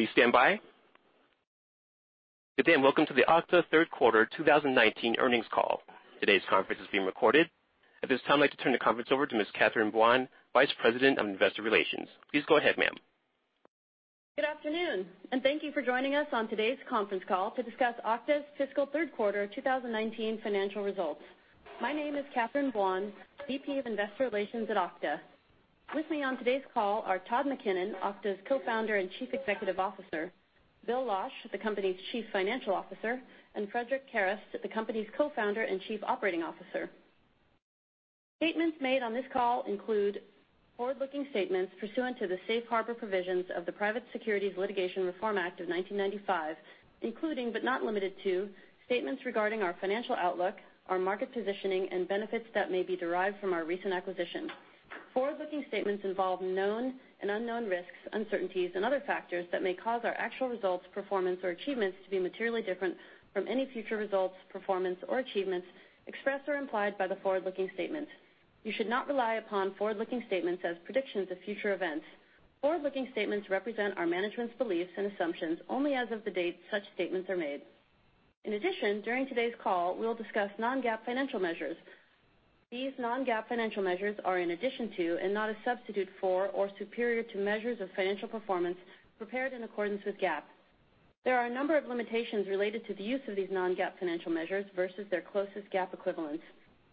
Please stand by. Good day. Welcome to the Okta third quarter 2019 earnings call. Today's conference is being recorded. At this time, I'd like to turn the conference over to Ms. Catherine Buan, Vice President of Investor Relations. Please go ahead, ma'am. Good afternoon. Thank you for joining us on today's conference call to discuss Okta's fiscal third quarter 2019 financial results. My name is Catherine Buan, Vice President of Investor Relations at Okta. With me on today's call are Todd McKinnon, Okta's Co-founder and Chief Executive Officer, Bill Losch, the company's Chief Financial Officer, and Frederic Kerrest, the company's Co-founder and Chief Operating Officer. Statements made on this call include forward-looking statements pursuant to the safe harbor provisions of the Private Securities Litigation Reform Act of 1995, including but not limited to, statements regarding our financial outlook, our market positioning, and benefits that may be derived from our recent acquisition. Forward-looking statements involve known and unknown risks, uncertainties, and other factors that may cause our actual results, performance, or achievements to be materially different from any future results, performance, or achievements expressed or implied by the forward-looking statements. You should not rely upon forward-looking statements as predictions of future events. Forward-looking statements represent our management's beliefs and assumptions only as of the date such statements are made. In addition, during today's call, we'll discuss non-GAAP financial measures. These non-GAAP financial measures are in addition to and not a substitute for or superior to measures of financial performance prepared in accordance with GAAP. There are a number of limitations related to the use of these non-GAAP financial measures versus their closest GAAP equivalents.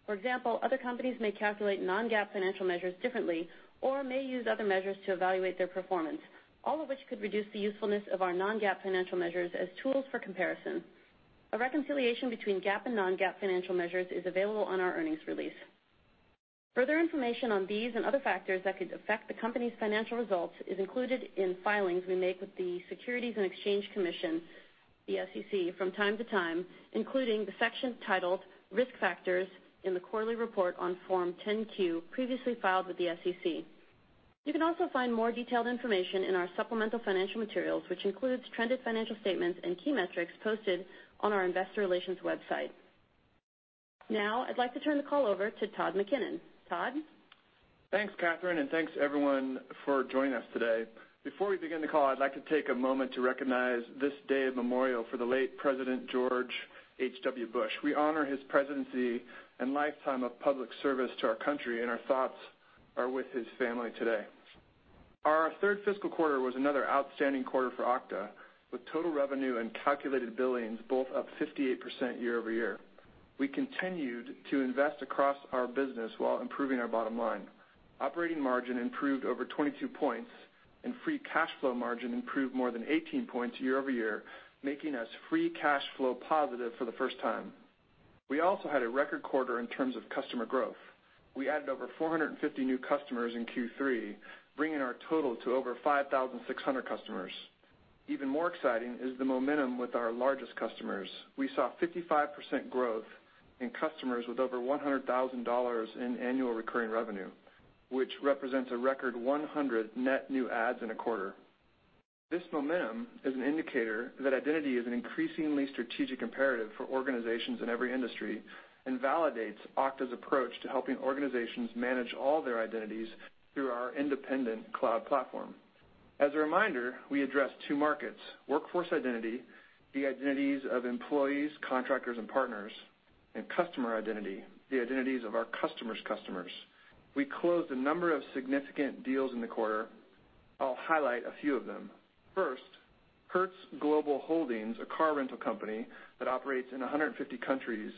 For example, other companies may calculate non-GAAP financial measures differently or may use other measures to evaluate their performance, all of which could reduce the usefulness of our non-GAAP financial measures as tools for comparison. A reconciliation between GAAP and non-GAAP financial measures is available on our earnings release. Further information on these and other factors that could affect the company's financial results is included in filings we make with the Securities and Exchange Commission, the SEC, from time to time, including the section titled Risk Factors in the quarterly report on Form 10-Q, previously filed with the SEC. You can also find more detailed information in our supplemental financial materials, which includes trended financial statements and key metrics posted on our investor relations website. I'd like to turn the call over to Todd McKinnon. Todd? Thanks, Catherine, and thanks, everyone, for joining us today. Before we begin the call, I'd like to take a moment to recognize this day of memorial for the late President George H.W. Bush. We honor his presidency and lifetime of public service to our country, and our thoughts are with his family today. Our third fiscal quarter was another outstanding quarter for Okta, with total revenue and calculated billings both up 58% year-over-year. We continued to invest across our business while improving our bottom line. Operating margin improved over 22 points, and free cash flow margin improved more than 18 points year-over-year, making us free cash flow positive for the first time. We also had a record quarter in terms of customer growth. We added over 450 new customers in Q3, bringing our total to over 5,600 customers. Even more exciting is the momentum with our largest customers. We saw 55% growth in customers with over $100,000 in annual recurring revenue, which represents a record 100 net new adds in a quarter. This momentum is an indicator that identity is an increasingly strategic imperative for organizations in every industry and validates Okta's approach to helping organizations manage all their identities through our independent cloud platform. As a reminder, we address two markets, workforce identity, the identities of employees, contractors, and partners, and customer identity, the identities of our customer's customers. We closed a number of significant deals in the quarter. I'll highlight a few of them. First, Hertz Global Holdings, a car rental company that operates in 150 countries,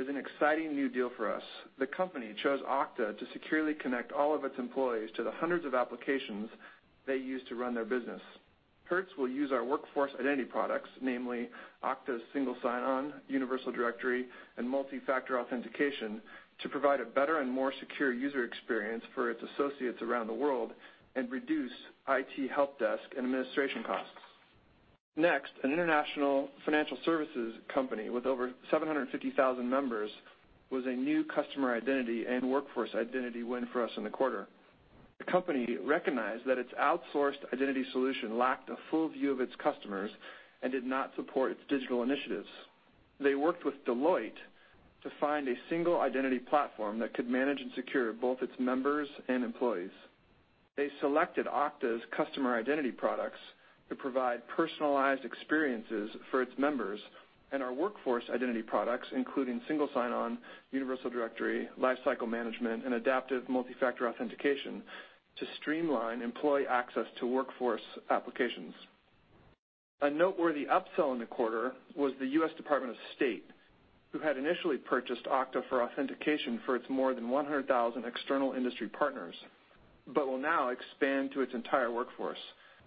is an exciting new deal for us. The company chose Okta to securely connect all of its employees to the hundreds of applications they use to run their business. Hertz will use our Workforce Identity products, namely Okta's Single Sign-On, Universal Directory, and Multi-Factor Authentication to provide a better and more secure user experience for its associates around the world and reduce IT helpdesk and administration costs. Next, an international financial services company with over 750,000 members was a new customer identity and Workforce Identity win for us in the quarter. The company recognized that its outsourced identity solution lacked a full view of its customers and did not support its digital initiatives. They worked with Deloitte to find a single identity platform that could manage and secure both its members and employees. They selected Okta's customer identity products to provide personalized experiences for its members and our Workforce Identity products, including Single Sign-On, Universal Directory, Lifecycle Management, and Adaptive Multi-Factor Authentication to streamline employee access to workforce applications. A noteworthy upsell in the quarter was the U.S. Department of State, who had initially purchased Okta for authentication for its more than 100,000 external industry partners, but will now expand to its entire workforce.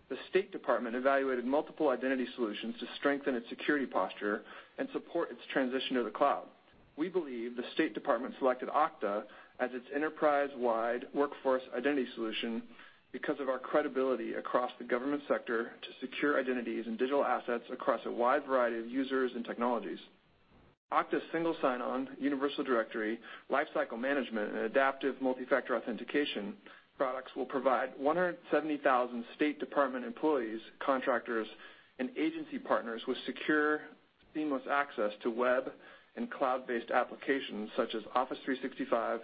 The State Department evaluated multiple identity solutions to strengthen its security posture and support its transition to the cloud. We believe the State Department selected Okta as its enterprise-wide Workforce Identity solution because of our credibility across the government sector to secure identities and digital assets across a wide variety of users and technologies. Okta's Single Sign-On, Universal Directory, Lifecycle Management, and Adaptive Multi-Factor Authentication products will provide 170,000 State Department employees, contractors and agency partners with secure, seamless access to web and cloud-based applications such as Office 365,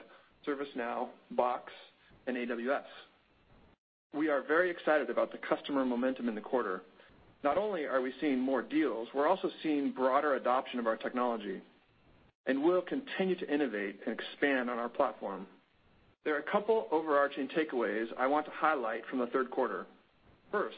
ServiceNow, Box, and AWS. We are very excited about the customer momentum in the quarter. Not only are we seeing more deals, we're also seeing broader adoption of our technology, and we'll continue to innovate and expand on our platform. There are a couple overarching takeaways I want to highlight from the third quarter. First,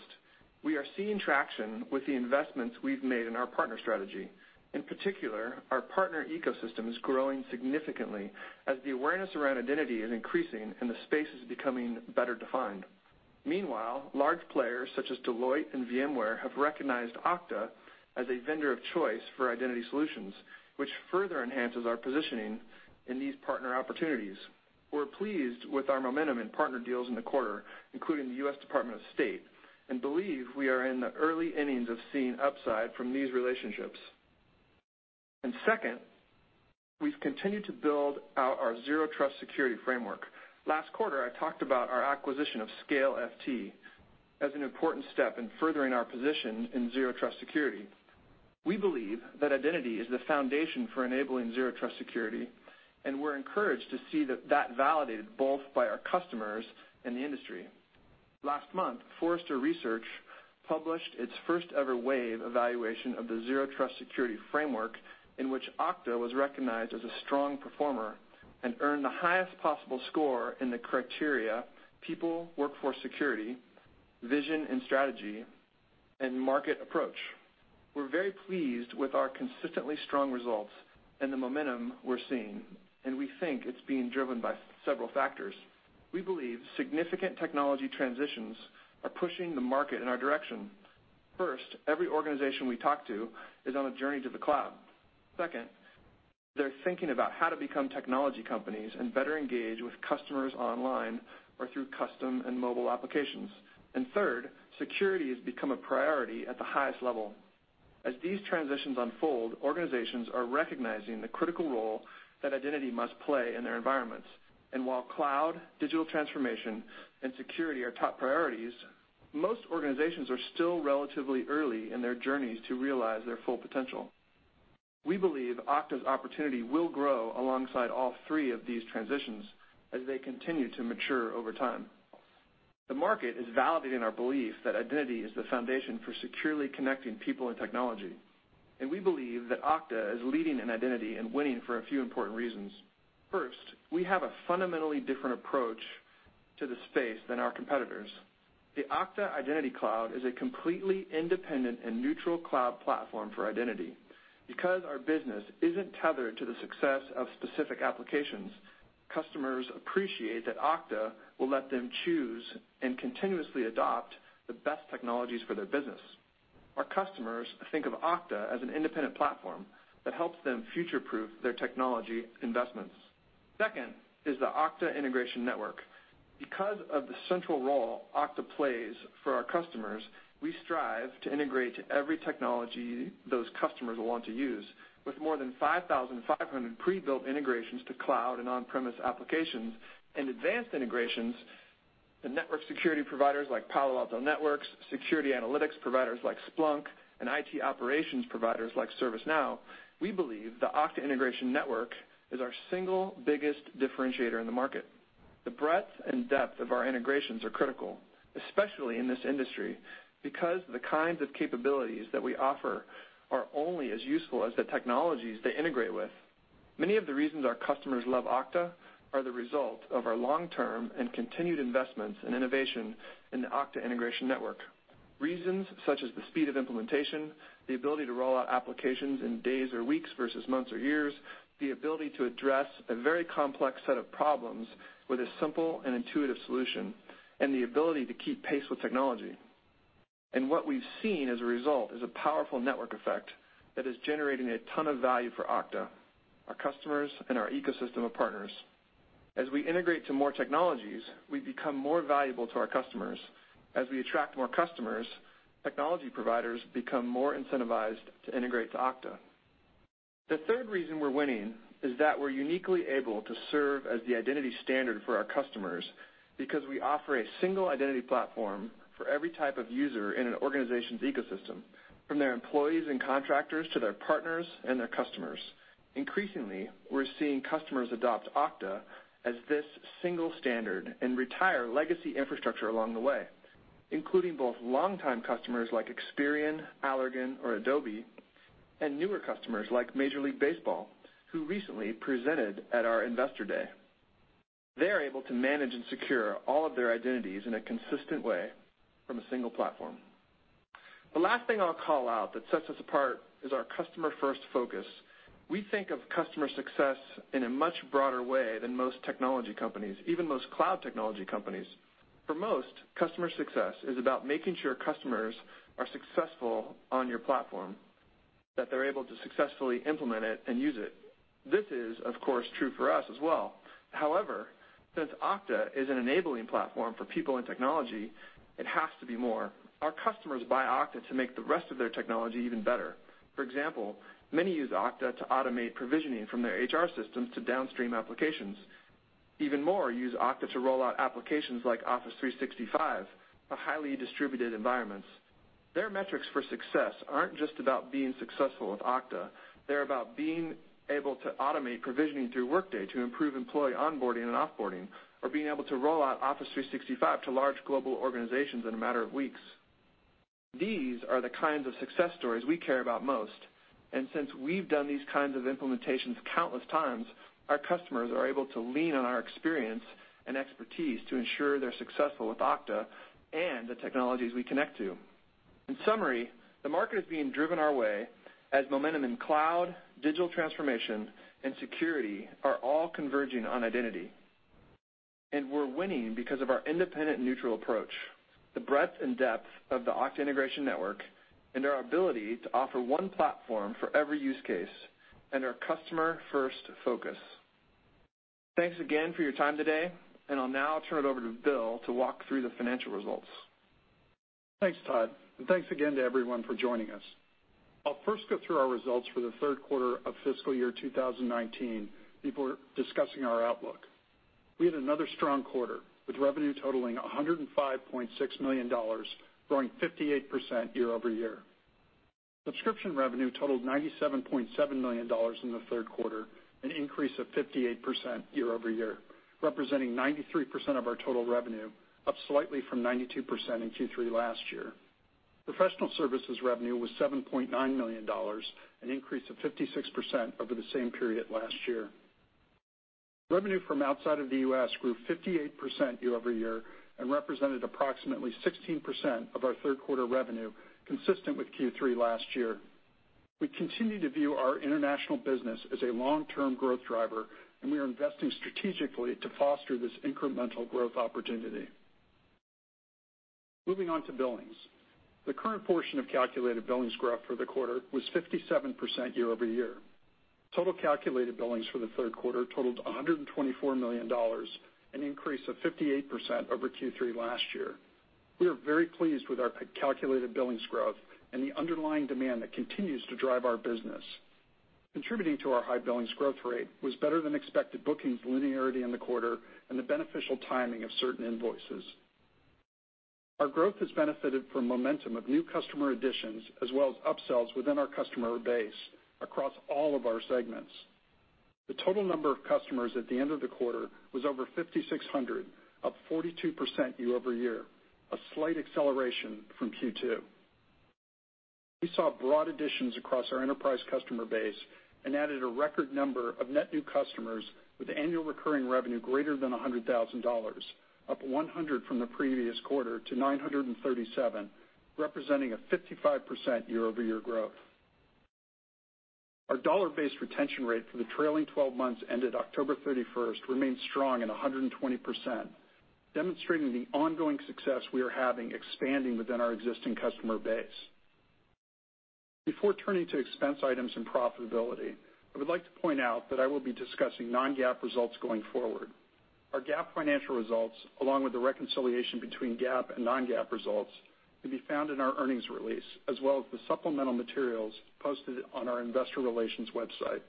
we are seeing traction with the investments we've made in our partner strategy. In particular, our partner ecosystem is growing significantly as the awareness around identity is increasing and the space is becoming better defined. Meanwhile, large players such as Deloitte and VMware have recognized Okta as a vendor of choice for identity solutions, which further enhances our positioning in these partner opportunities. We're pleased with our momentum in partner deals in the quarter, including the U.S. Department of State, and believe we are in the early innings of seeing upside from these relationships. Second, we've continued to build out our Zero Trust security framework. Last quarter, I talked about our acquisition of ScaleFT as an important step in furthering our position in Zero Trust security. We believe that identity is the foundation for enabling Zero Trust security, and we're encouraged to see that validated both by our customers and the industry. Last month, Forrester Research published its first-ever wave evaluation of the Zero Trust security framework, in which Okta was recognized as a strong performer and earned the highest possible score in the criteria people, workforce security, vision and strategy, and market approach. We're very pleased with our consistently strong results and the momentum we're seeing, and we think it's being driven by several factors. We believe significant technology transitions are pushing the market in our direction. First, every organization we talk to is on a journey to the cloud. Second, they're thinking about how to become technology companies and better engage with customers online or through custom and mobile applications. Third, security has become a priority at the highest level. As these transitions unfold, organizations are recognizing the critical role that identity must play in their environments. While cloud, digital transformation, and security are top priorities, most organizations are still relatively early in their journeys to realize their full potential. We believe Okta's opportunity will grow alongside all three of these transitions as they continue to mature over time. The market is validating our belief that identity is the foundation for securely connecting people and technology. We believe that Okta is leading in identity and winning for a few important reasons. First, we have a fundamentally different approach to the space than our competitors. The Okta Identity Cloud is a completely independent and neutral cloud platform for identity. Because our business isn't tethered to the success of specific applications, customers appreciate that Okta will let them choose and continuously adopt the best technologies for their business. Our customers think of Okta as an independent platform that helps them future-proof their technology investments. Second is the Okta Integration Network. Because of the central role Okta plays for our customers, we strive to integrate every technology those customers want to use. With more than 5,500 pre-built integrations to cloud and on-premise applications and advanced integrations to network security providers like Palo Alto Networks, security analytics providers like Splunk, and IT operations providers like ServiceNow, we believe the Okta Integration Network is our single biggest differentiator in the market. The breadth and depth of our integrations are critical, especially in this industry, because the kinds of capabilities that we offer are only as useful as the technologies they integrate with. Many of the reasons our customers love Okta are the result of our long-term and continued investments in innovation in the Okta Integration Network. Reasons such as the speed of implementation, the ability to roll out applications in days or weeks versus months or years, the ability to address a very complex set of problems with a simple and intuitive solution, and the ability to keep pace with technology. What we've seen as a result is a powerful network effect that is generating a ton of value for Okta, our customers, and our ecosystem of partners. As we integrate to more technologies, we become more valuable to our customers. As we attract more customers, technology providers become more incentivized to integrate to Okta. The third reason we're winning is that we're uniquely able to serve as the identity standard for our customers because we offer a single identity platform for every type of user in an organization's ecosystem, from their employees and contractors to their partners and their customers. Increasingly, we're seeing customers adopt Okta as this single standard and retire legacy infrastructure along the way, including both longtime customers like Experian, Allergan, or Adobe, and newer customers like Major League Baseball, who recently presented at our Investor Day. They're able to manage and secure all of their identities in a consistent way from a single platform. The last thing I'll call out that sets us apart is our customer-first focus. We think of customer success in a much broader way than most technology companies, even most cloud technology companies. For most, customer success is about making sure customers are successful on your platform, that they're able to successfully implement it and use it. This is, of course, true for us as well. However, since Okta is an enabling platform for people and technology, it has to be more. Our customers buy Okta to make the rest of their technology even better. For example, many use Okta to automate provisioning from their HR systems to downstream applications. Even more use Okta to roll out applications like Office 365 for highly distributed environments. Their metrics for success aren't just about being successful with Okta. They're about being able to automate provisioning through Workday to improve employee onboarding and off-boarding, or being able to roll out Office 365 to large global organizations in a matter of weeks. These are the kinds of success stories we care about most, and since we've done these kinds of implementations countless times, our customers are able to lean on our experience and expertise to ensure they're successful with Okta and the technologies we connect to. In summary, the market is being driven our way as momentum in cloud, digital transformation, and security are all converging on identity. We're winning because of our independent, neutral approach, the breadth and depth of the Okta Integration Network, our ability to offer one platform for every use case, and our customer-first focus. Thanks again for your time today. I'll now turn it over to Bill to walk through the financial results. Thanks, Todd. Thanks again to everyone for joining us. I'll first go through our results for the third quarter of fiscal year 2019 before discussing our outlook. We had another strong quarter, with revenue totaling $105.6 million, growing 58% year-over-year. Subscription revenue totaled $97.7 million in the third quarter, an increase of 58% year-over-year, representing 93% of our total revenue, up slightly from 92% in Q3 last year. Professional services revenue was $7.9 million, an increase of 56% over the same period last year. Revenue from outside of the U.S. grew 58% year-over-year and represented approximately 16% of our third quarter revenue, consistent with Q3 last year. We continue to view our international business as a long-term growth driver. We are investing strategically to foster this incremental growth opportunity. Moving on to billings. The current portion of calculated billings growth for the quarter was 57% year-over-year. Total calculated billings for the third quarter totaled $124 million, an increase of 58% over Q3 last year. We are very pleased with our calculated billings growth and the underlying demand that continues to drive our business. Contributing to our high billings growth rate was better than expected bookings linearity in the quarter and the beneficial timing of certain invoices. Our growth has benefited from momentum of new customer additions as well as up-sells within our customer base across all of our segments. The total number of customers at the end of the quarter was over 5,600, up 42% year-over-year, a slight acceleration from Q2. We saw broad additions across our enterprise customer base. We added a record number of net new customers with annual recurring revenue greater than $100,000, up 100 from the previous quarter to 937, representing a 55% year-over-year growth. Our dollar-based retention rate for the trailing 12 months ended October 31st remains strong at 120%, demonstrating the ongoing success we are having expanding within our existing customer base. Before turning to expense items and profitability, I would like to point out that I will be discussing non-GAAP results going forward. Our GAAP financial results, along with the reconciliation between GAAP and non-GAAP results, can be found in our earnings release as well as the supplemental materials posted on our investor relations website.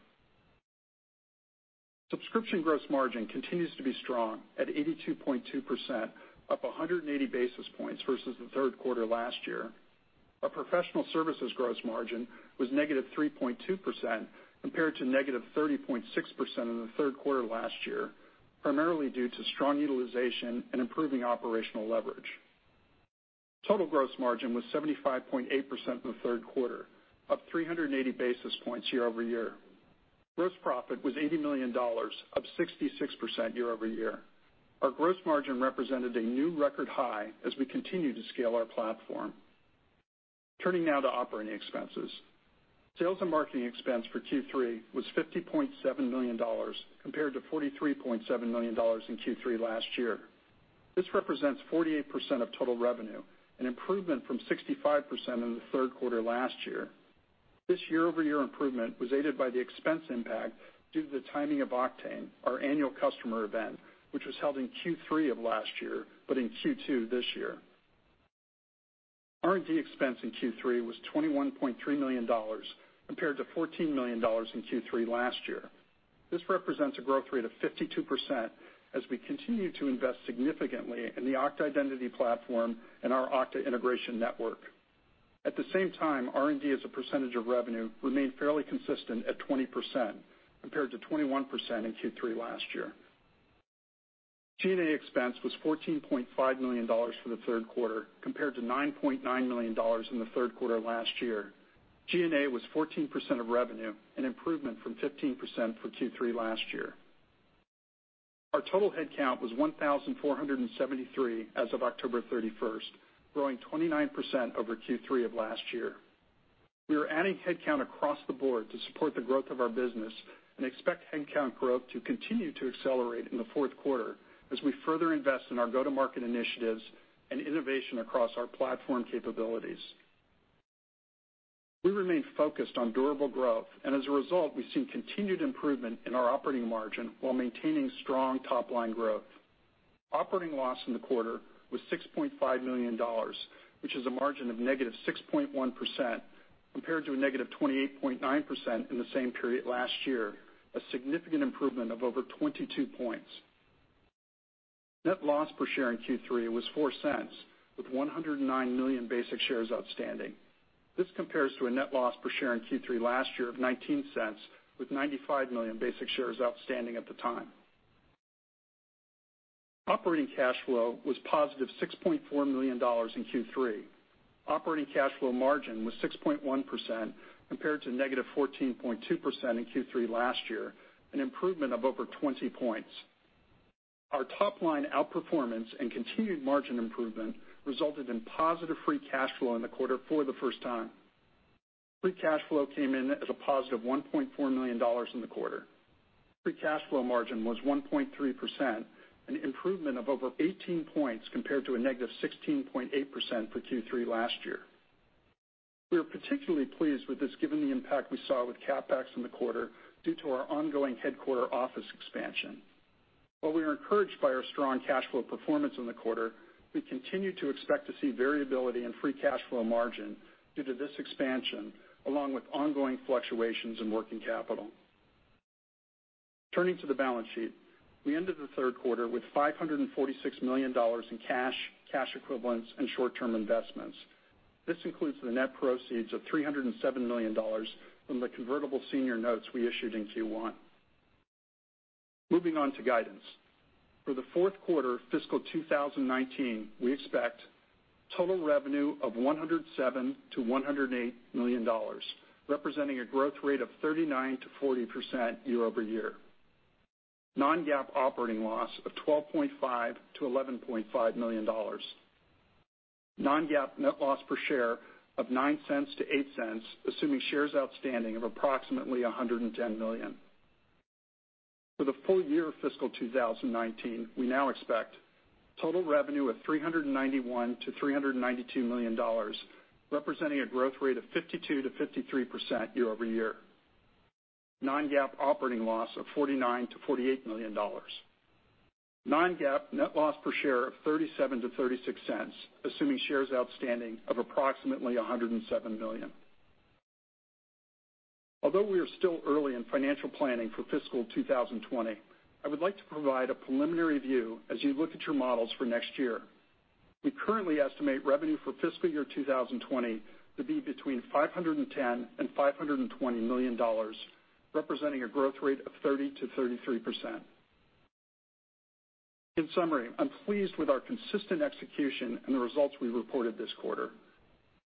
Subscription gross margin continues to be strong at 82.2%, up 180 basis points versus the third quarter last year. Our professional services gross margin was -3.2%, compared to -30.6% in the third quarter last year, primarily due to strong utilization and improving operational leverage. Total gross margin was 75.8% in the third quarter, up 380 basis points year-over-year. Gross profit was $80 million, up 66% year-over-year. Our gross margin represented a new record high as we continue to scale our platform. Turning now to operating expenses. Sales and marketing expense for Q3 was $50.7 million, compared to $43.7 million in Q3 last year. This represents 48% of total revenue, an improvement from 65% in the third quarter last year. This year-over-year improvement was aided by the expense impact due to the timing of Oktane, our annual customer event, which was held in Q3 of last year, but in Q2 this year. R&D expense in Q3 was $21.3 million, compared to $14 million in Q3 last year. This represents a growth rate of 52% as we continue to invest significantly in the Okta Identity Platform and our Okta Integration Network. At the same time, R&D as a percentage of revenue remained fairly consistent at 20%, compared to 21% in Q3 last year. G&A expense was $14.5 million for the third quarter, compared to $9.9 million in the third quarter last year. G&A was 14% of revenue, an improvement from 15% for Q3 last year. Our total head count was 1,473 as of October 31st, growing 29% over Q3 of last year. We are adding head count across the board to support the growth of our business and expect head count growth to continue to accelerate in the fourth quarter as we further invest in our go-to-market initiatives and innovation across our platform capabilities. We remain focused on durable growth, and as a result, we've seen continued improvement in our operating margin while maintaining strong top-line growth. Operating loss in the quarter was $6.5 million, which is a margin of -6.1%, compared to -28.9% in the same period last year, a significant improvement of over 22 points. Net loss per share in Q3 was $0.04, with 109 million basic shares outstanding. This compares to a net loss per share in Q3 last year of $0.19, with 95 million basic shares outstanding at the time. Operating cash flow was positive $6.4 million in Q3. Operating cash flow margin was 6.1%, compared to -14.2% in Q3 last year, an improvement of over 20 points. Our top-line outperformance and continued margin improvement resulted in positive free cash flow in the quarter for the first time. Free cash flow came in as a positive $1.4 million in the quarter. Free cash flow margin was 1.3%, an improvement of over 18 points compared to -16.8% for Q3 last year. We are particularly pleased with this, given the impact we saw with CapEx in the quarter due to our ongoing headquarter office expansion. While we are encouraged by our strong cash flow performance in the quarter, we continue to expect to see variability in free cash flow margin due to this expansion, along with ongoing fluctuations in working capital. Turning to the balance sheet, we ended the third quarter with $546 million in cash equivalents, and short-term investments. This includes the net proceeds of $307 million from the convertible senior notes we issued in Q1. Moving on to guidance. For the fourth quarter of fiscal 2019, we expect total revenue of $107 million-$108 million, representing a growth rate of 39%-40% year-over-year. Non-GAAP operating loss of $12.5 million-$11.5 million. Non-GAAP net loss per share of $0.09-$0.08, assuming shares outstanding of approximately 110 million. For the full year fiscal 2019, we now expect total revenue of $391 million-$392 million, representing a growth rate of 52%-53% year-over-year. Non-GAAP operating loss of $49 million-$48 million. Non-GAAP net loss per share of $0.37-$0.36, assuming shares outstanding of approximately 107 million. Although we are still early in financial planning for fiscal 2020, I would like to provide a preliminary view as you look at your models for next year. We currently estimate revenue for fiscal year 2020 to be between $510 million and $520 million, representing a growth rate of 30%-33%. In summary, I'm pleased with our consistent execution and the results we reported this quarter.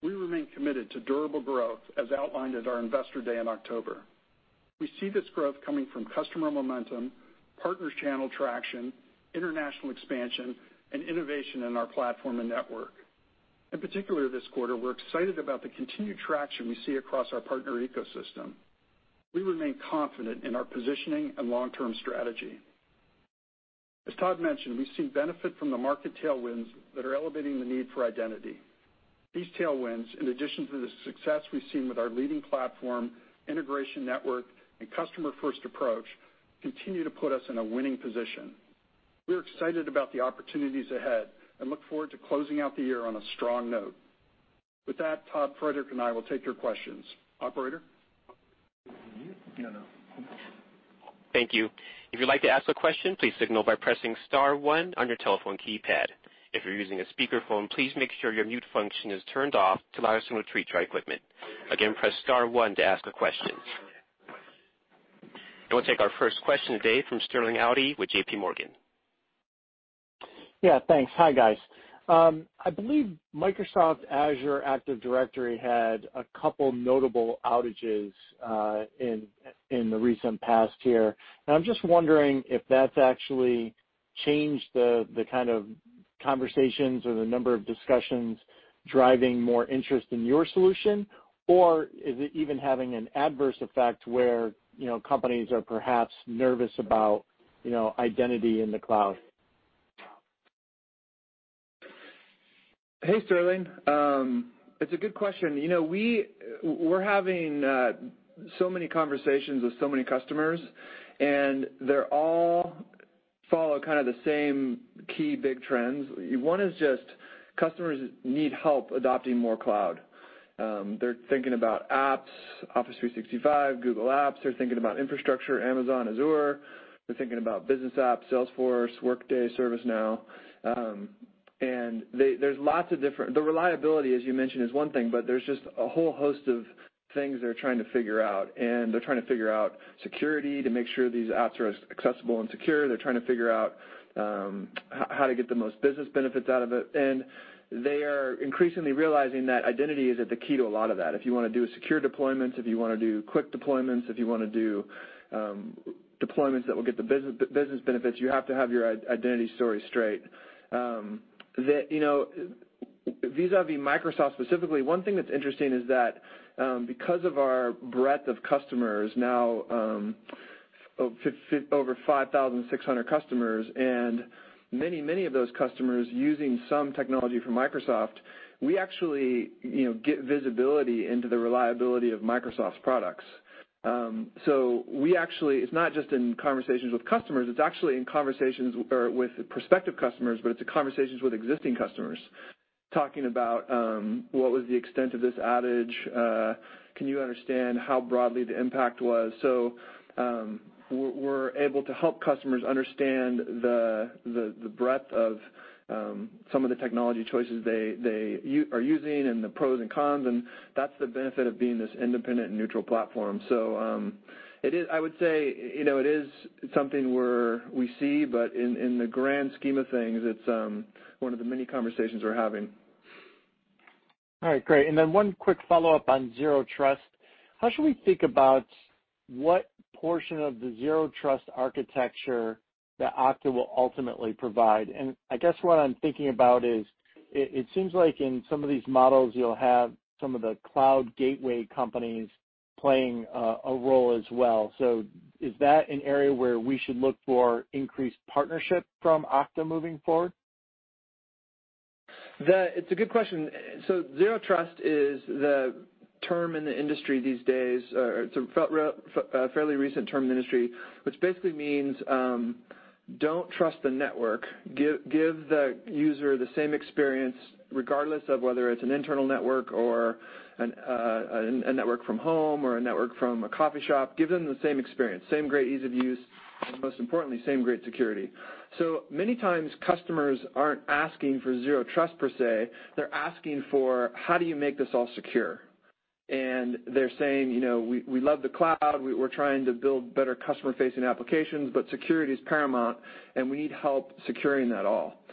We remain committed to durable growth as outlined at our Investor Day in October. We see this growth coming from customer momentum, partners channel traction, international expansion, and innovation in our platform and network. In particular this quarter, we're excited about the continued traction we see across our partner ecosystem. We remain confident in our positioning and long-term strategy. As Todd mentioned, we see benefit from the market tailwinds that are elevating the need for identity. These tailwinds, in addition to the success we've seen with our leading platform, integration network, and customer-first approach, continue to put us in a winning position. We're excited about the opportunities ahead and look forward to closing out the year on a strong note. With that, Todd, Frederic, and I will take your questions. Operator? No, no. Thank you. If you'd like to ask a question, please signal by pressing *1 on your telephone keypad. If you're using a speakerphone, please make sure your mute function is turned off to allow us to retrieve your equipment. Again, press *1 to ask a question. We'll take our first question today from Sterling Auty with J.P. Morgan. Yeah, thanks. Hi, guys. I believe Microsoft Azure Active Directory had a couple notable outages in the recent past here. I'm just wondering if that's actually changed the kind of conversations or the number of discussions driving more interest in your solution, or is it even having an adverse effect where companies are perhaps nervous about identity in the cloud? Hey, Sterling. It's a good question. We're having so many conversations with so many customers, they all follow kind of the same key big trends. One is just customers need help adopting more cloud. They're thinking about apps, Office 365, Google Apps. They're thinking about infrastructure, Amazon, Azure. They're thinking about business apps, Salesforce, Workday, ServiceNow. The reliability, as you mentioned, is one thing, but there's just a whole host of things they're trying to figure out. They're trying to figure out security to make sure these apps are accessible and secure. They're trying to figure out how to get the most business benefits out of it. They are increasingly realizing that identity is at the key to a lot of that. If you want to do secure deployments, if you want to do quick deployments, if you want to do deployments that will get the business benefits, you have to have your identity story straight. Vis-à-vis Microsoft specifically, one thing that's interesting is that because of our breadth of customers, now over 5,600 customers, many of those customers using some technology from Microsoft, we actually get visibility into the reliability of Microsoft's products. It's not just in conversations with prospective customers, but it's in conversations with existing customers talking about what was the extent of this outage, can you understand how broadly the impact was? We're able to help customers understand the breadth of some of the technology choices they are using and the pros and cons, that's the benefit of being this independent and neutral platform. I would say, it is something we see, but in the grand scheme of things, it's one of the many conversations we're having. All right, great. One quick follow-up on Zero Trust. How should we think about what portion of the Zero Trust architecture that Okta will ultimately provide? I guess what I'm thinking about is, it seems like in some of these models you'll have some of the cloud gateway companies playing a role as well. Is that an area where we should look for increased partnership from Okta moving forward? It's a good question. Zero Trust is the term in the industry these days, or it's a fairly recent term in the industry, which basically means, don't trust the network. Give the user the same experience, regardless of whether it's an internal network or a network from home or a network from a coffee shop. Give them the same experience, same great ease of use, and most importantly, same great security. Many times customers aren't asking for Zero Trust per se. They're asking for, how do you make this all secure? They're saying, "We love the cloud. We're trying to build better customer-facing applications, but security is paramount, and we need help securing that all."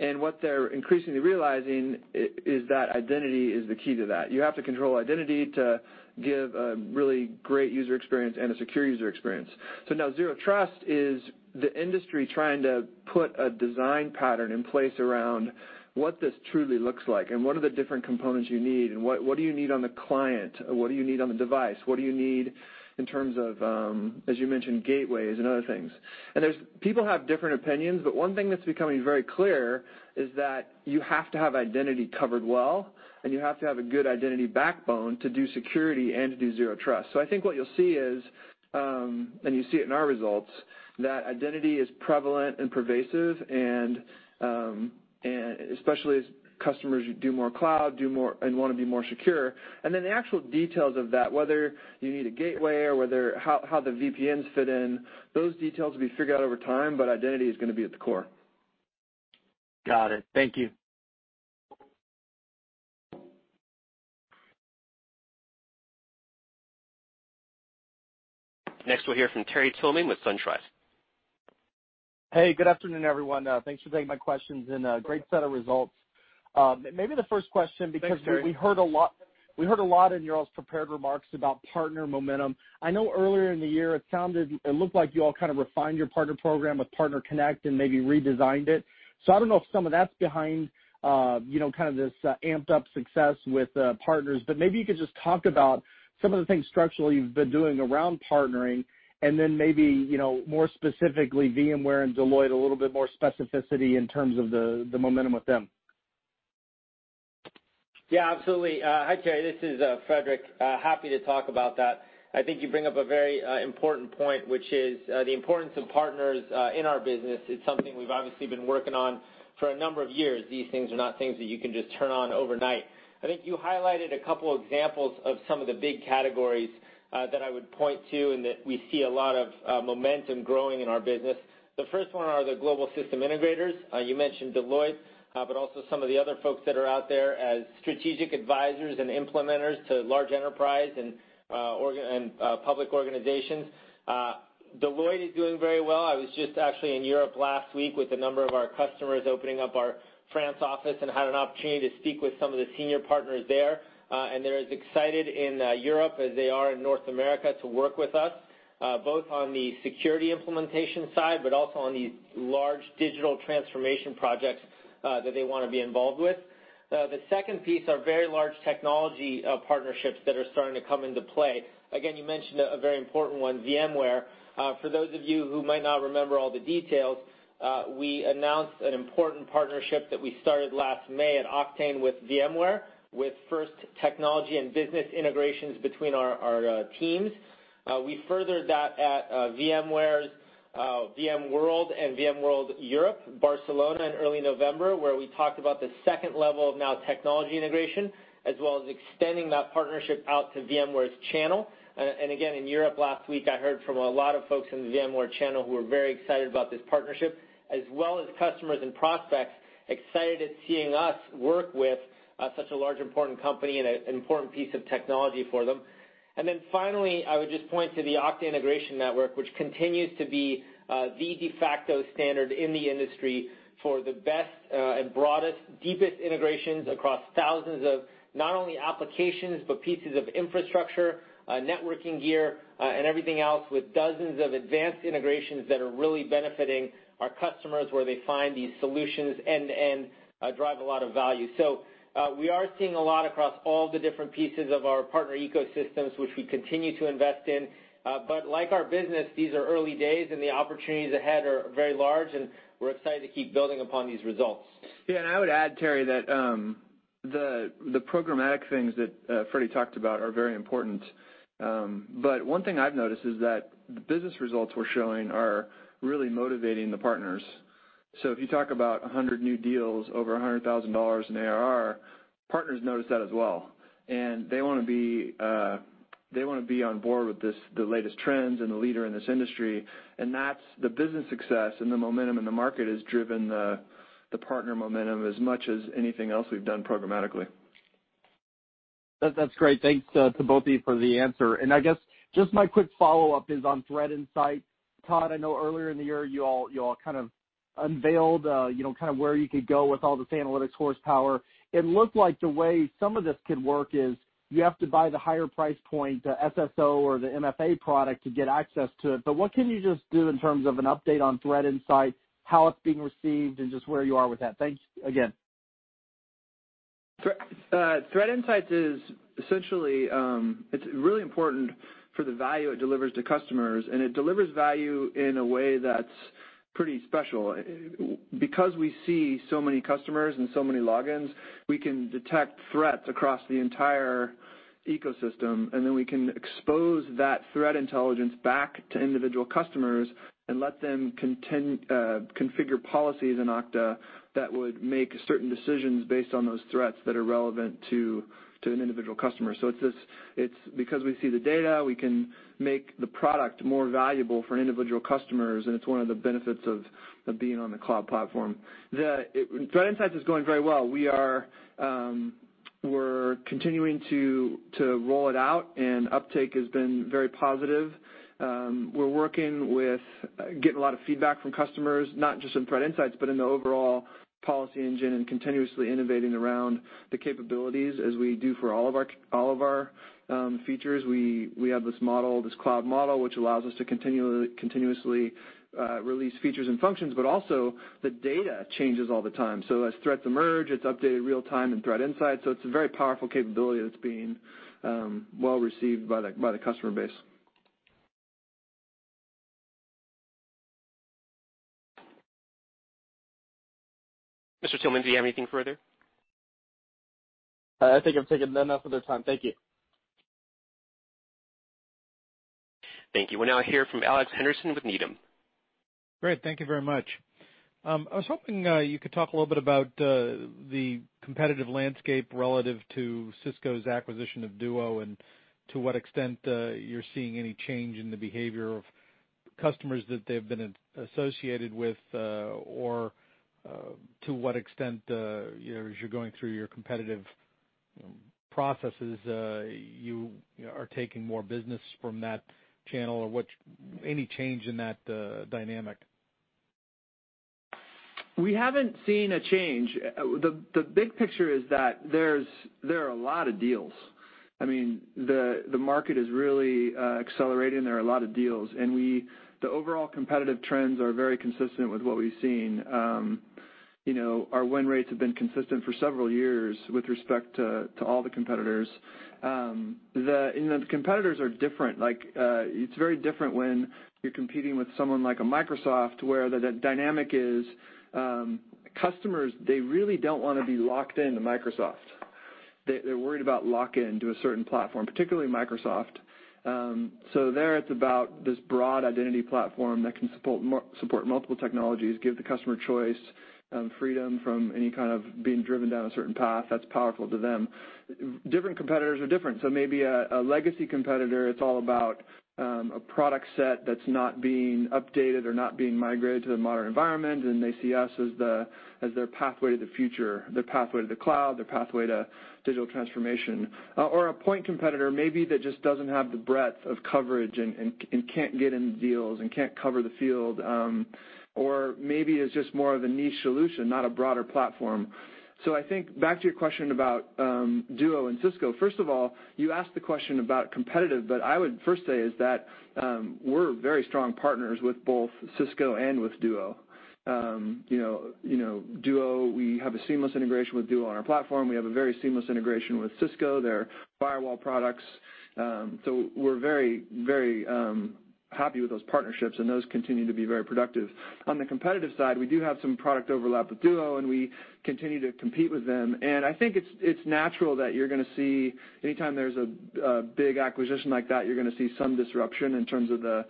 What they're increasingly realizing is that identity is the key to that. You have to control identity to give a really great user experience and a secure user experience. Now Zero Trust is the industry trying to put a design pattern in place around what this truly looks like and what are the different components you need, and what do you need on the client? What do you need on the device? What do you need in terms of, as you mentioned, gateways and other things? People have different opinions, but one thing that's becoming very clear is that you have to have identity covered well, and you have to have a good identity backbone to do security and to do Zero Trust. I think what you'll see is, and you see it in our results, that identity is prevalent and pervasive, and especially as customers do more cloud and want to be more secure. The actual details of that, whether you need a gateway or how the VPNs fit in, those details will be figured out over time, but identity is going to be at the core. Got it. Thank you. We'll hear from Terry Tillman with SunTrust. Hey, good afternoon, everyone. Thanks for taking my questions and a great set of results. Thanks, Terry. We heard a lot in y'all's prepared remarks about partner momentum. I know earlier in the year, it looked like you all kind of refined your partner program with Partner Connect and maybe redesigned it. I don't know if some of that's behind this amped-up success with partners, but maybe you could just talk about some of the things structurally you've been doing around partnering, and then maybe more specifically VMware and Deloitte, a little bit more specificity in terms of the momentum with them. Yeah, absolutely. Hi, Terry. This is Frederic. Happy to talk about that. I think you bring up a very important point, which is the importance of partners in our business. It's something we've obviously been working on for a number of years. These things are not things that you can just turn on overnight. I think you highlighted a couple examples of some of the big categories that I would point to and that we see a lot of momentum growing in our business. The first one are the global system integrators. You mentioned Deloitte, but also some of the other folks that are out there as strategic advisors and implementers to large enterprise and public organizations. Deloitte is doing very well. I was just actually in Europe last week with a number of our customers opening up our France office and had an opportunity to speak with some of the senior partners there, and they're as excited in Europe as they are in North America to work with us, both on the security implementation side, but also on the large digital transformation projects that they want to be involved with. The second piece are very large technology partnerships that are starting to come into play. Again, you mentioned a very important one, VMware. For those of you who might not remember all the details, we announced an important partnership that we started last May at Oktane with VMware, with first technology and business integrations between our teams. We furthered that at VMware's VMworld and VMworld Europe, Barcelona in early November, where we talked about the level 2 of technology integration, as well as extending that partnership out to VMware's channel. Again, in Europe last week, I heard from a lot of folks in the VMware channel who are very excited about this partnership, as well as customers and prospects excited at seeing us work with such a large, important company and an important piece of technology for them. Finally, I would just point to the Okta Integration Network, which continues to be the de facto standard in the industry for the best and broadest, deepest integrations across thousands of not only applications, but pieces of infrastructure, networking gear, and everything else with dozens of advanced integrations that are really benefiting our customers where they find these solutions end-to-end drive a lot of value. We are seeing a lot across all the different pieces of our partner ecosystems, which we continue to invest in. Like our business, these are early days, and the opportunities ahead are very large, and we're excited to keep building upon these results. Yeah, I would add, Terry, that the programmatic things that Freddy talked about are very important. One thing I've noticed is that the business results we're showing are really motivating the partners. If you talk about 100 new deals over $100,000 in ARR, partners notice that as well, and they want to be on board with the latest trends and the leader in this industry, and that's the business success and the momentum in the market has driven the partner momentum as much as anything else we've done programmatically. That's great. Thanks to both of you for the answer. I guess just my quick follow-up is on ThreatInsight. Todd, I know earlier in the year, you all kind of unveiled where you could go with all this analytics horsepower. It looked like the way some of this could work is you have to buy the higher price point, the SSO or the MFA product to get access to it. What can you just do in terms of an update on ThreatInsight, how it's being received, and just where you are with that? Thanks again. ThreatInsight is really important for the value it delivers to customers, and it delivers value in a way that's pretty special. Because we see so many customers and so many logins, we can detect threats across the entire ecosystem, and then we can expose that threat intelligence back to individual customers and let them configure policies in Okta that would make certain decisions based on those threats that are relevant to an individual customer. It's because we see the data, we can make the product more valuable for individual customers, and it's one of the benefits of being on the cloud platform. ThreatInsight is going very well. We're continuing to roll it out, and uptake has been very positive. We're getting a lot of feedback from customers, not just in ThreatInsight, but in the overall policy engine and continuously innovating around the capabilities as we do for all of our features. We have this cloud model, which allows us to continuously release features and functions, but also the data changes all the time. As threats emerge, it's updated real time in ThreatInsight. It's a very powerful capability that's being well-received by the customer base. Mr. Tillman, do you have anything further? I think I've taken enough of their time. Thank you. Thank you. We'll now hear from Alex Henderson with Needham. Great. Thank you very much. I was hoping you could talk a little bit about the competitive landscape relative to Cisco's acquisition of Duo and to what extent you're seeing any change in the behavior of customers that they've been associated with or to what extent, as you're going through your competitive processes, you are taking more business from that channel, any change in that dynamic. We haven't seen a change. The big picture is that there are a lot of deals. The market is really accelerating. There are a lot of deals. The overall competitive trends are very consistent with what we've seen. Our win rates have been consistent for several years with respect to all the competitors. The competitors are different. It's very different when you're competing with someone like a Microsoft, where the dynamic is customers, they really don't want to be locked into Microsoft. They're worried about lock-in to a certain platform, particularly Microsoft. There, it's about this broad identity platform that can support multiple technologies, give the customer choice, freedom from any kind of being driven down a certain path that's powerful to them. Different competitors are different. Maybe a legacy competitor, it's all about a product set that's not being updated or not being migrated to the modern environment, and they see us as their pathway to the future, their pathway to the cloud, their pathway to digital transformation. A point competitor, maybe that just doesn't have the breadth of coverage and can't get into deals and can't cover the field. Maybe it's just more of a niche solution, not a broader platform. I think back to your question about Duo and Cisco. First of all, you asked the question about competitive, I would first say is that we're very strong partners with both Cisco and with Duo. We have a seamless integration with Duo on our platform. We have a very seamless integration with Cisco, their firewall products. We're very happy with those partnerships, and those continue to be very productive. On the competitive side, we do have some product overlap with Duo Security, and we continue to compete with them. I think it's natural that anytime there's a big acquisition like that, you're going to see some disruption in terms of the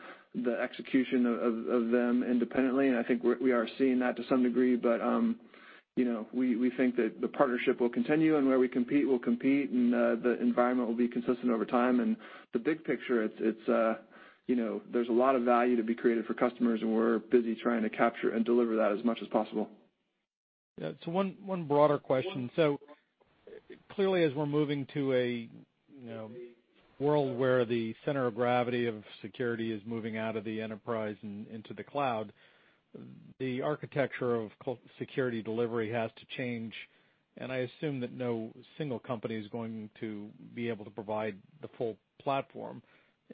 execution of them independently. I think we are seeing that to some degree. We think that the partnership will continue and where we compete, we'll compete, and the environment will be consistent over time. The big picture, there's a lot of value to be created for customers, and we're busy trying to capture and deliver that as much as possible. One broader question. Clearly, as we're moving to a world where the center of gravity of security is moving out of the enterprise and into the cloud, the architecture of security delivery has to change, and I assume that no single company is going to be able to provide the full platform.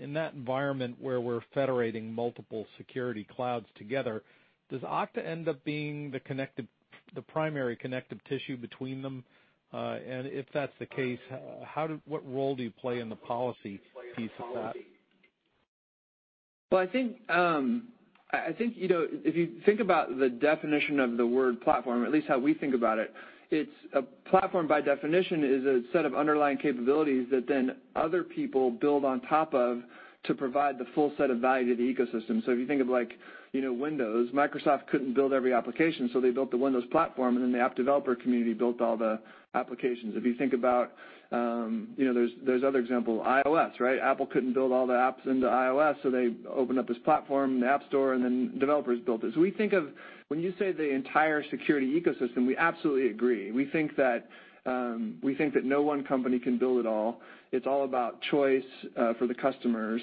In that environment where we're federating multiple security clouds together, does Okta end up being the primary connective tissue between them? If that's the case, what role do you play in the policy piece of that? I think if you think about the definition of the word platform, at least how we think about it, a platform by definition is a set of underlying capabilities that then other people build on top of to provide the full set of value to the ecosystem. If you think of Windows, Microsoft couldn't build every application, so they built the Windows platform, and then the app developer community built all the applications. If you think about, there's other example, iOS, right? Apple couldn't build all the apps into iOS, so they opened up this platform, the App Store, and then developers built this. When you say the entire security ecosystem, we absolutely agree. We think that no one company can build it all. It's all about choice for the customers.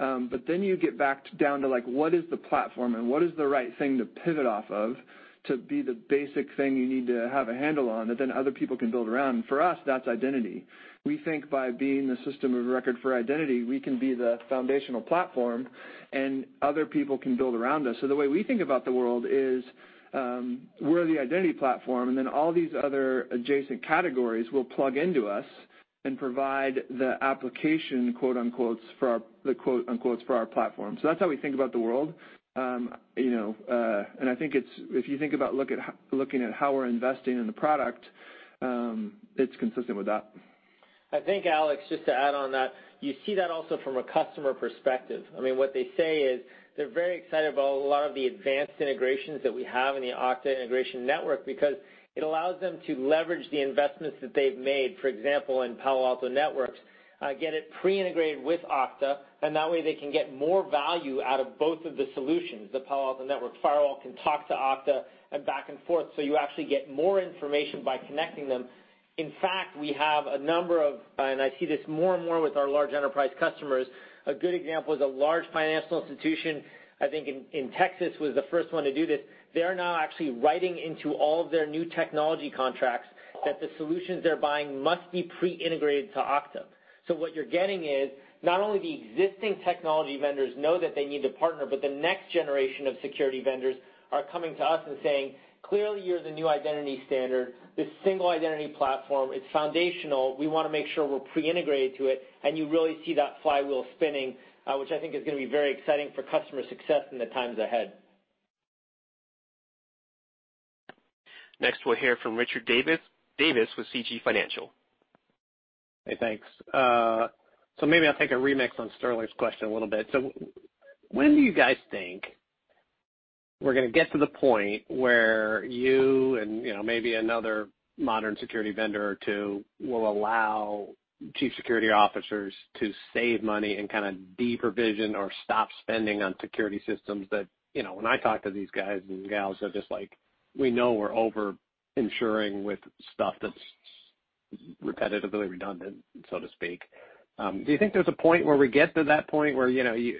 You get back down to what is the platform and what is the right thing to pivot off of to be the basic thing you need to have a handle on that then other people can build around. For us, that's identity. We think by being the system of record for identity, we can be the foundational platform and other people can build around us. The way we think about the world is, we're the identity platform, and then all these other adjacent categories will plug into us and provide the application, quote-unquotes, for our platform. That's how we think about the world. I think if you think about looking at how we're investing in the product, it's consistent with that. Alex, just to add on that, you see that also from a customer perspective. What they say is they're very excited about a lot of the advanced integrations that we have in the Okta Integration Network because it allows them to leverage the investments that they've made, for example, in Palo Alto Networks, get it pre-integrated with Okta, and that way they can get more value out of both of the solutions. The Palo Alto Networks firewall can talk to Okta and back and forth, you actually get more information by connecting them. In fact, we have a number of, and I see this more and more with our large enterprise customers. A good example is a large financial institution, I think in Texas was the first one to do this. They're now actually writing into all of their new technology contracts that the solutions they're buying must be pre-integrated to Okta. What you're getting is not only the existing technology vendors know that they need to partner, but the next generation of security vendors are coming to us and saying, "Clearly, you're the new identity standard. This single identity platform, it's foundational. We want to make sure we're pre-integrated to it." You really see that flywheel spinning, which I think is going to be very exciting for customer success in the times ahead. Next, we'll hear from Richard Davis with Canaccord Genuity. Hey, thanks. Maybe I'll take a remix on Sterling's question a little bit. When do you guys think we're going to get to the point where you and maybe another modern security vendor or two will allow Chief Security Officers to save money and deprovision or stop spending on security systems that when I talk to these guys and gals, they're just like, "We know we're over-insuring with stuff that's repetitively redundant," so to speak. Do you think there's a point where we get to that point where you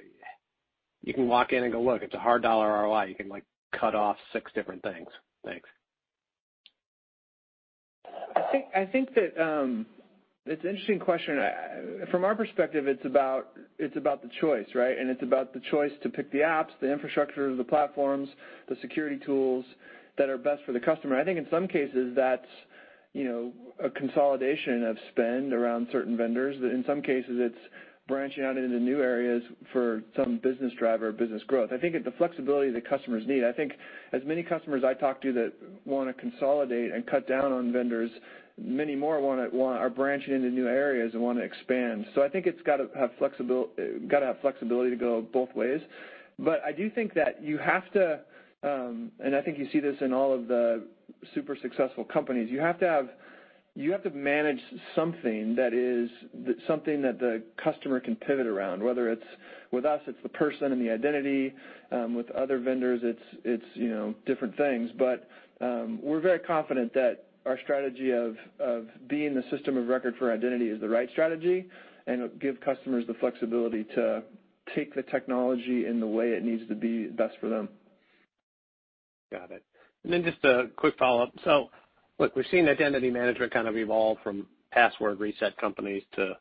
can walk in and go, "Look, it's a hard dollar ROI. You can cut off six different things." Thanks. It's an interesting question. From our perspective, it's about the choice, right? It's about the choice to pick the apps, the infrastructure, the platforms, the security tools that are best for the customer. I think in some cases, that's a consolidation of spend around certain vendors. In some cases, it's branching out into new areas for some business driver or business growth. I think it's the flexibility that customers need. I think as many customers I talk to that want to consolidate and cut down on vendors, many more are branching into new areas and want to expand. I think it's got to have flexibility to go both ways. I do think that you have to, I think you see this in all of the super successful companies, you have to manage something that the customer can pivot around, whether with us, it's the person and the identity. With other vendors, it's different things. We're very confident that our strategy of being the system of record for identity is the right strategy, it'll give customers the flexibility to take the technology in the way it needs to be best for them. Got it. Then just a quick follow-up. Look, we've seen identity management evolve from password reset companies to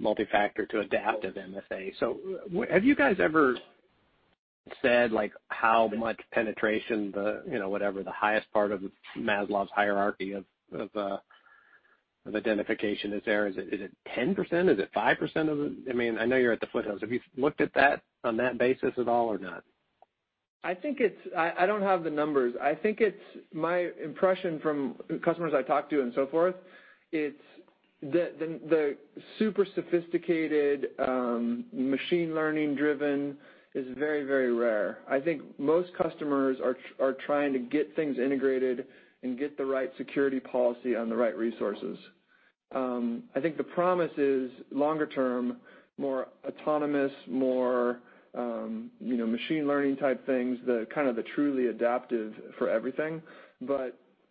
multi-factor to Adaptive MFA. Have you guys ever said how much penetration the, whatever the highest part of Maslow's hierarchy of identification is there? Is it 10%? Is it 5% of the? I know you're at the foothills. Have you looked at that on that basis at all or not? I don't have the numbers. My impression from customers I talk to and so forth, the super sophisticated, machine learning-driven is very, very rare. I think most customers are trying to get things integrated and get the right security policy on the right resources. I think the promise is longer term, more autonomous, more machine learning type things, the kind of the truly adaptive for everything.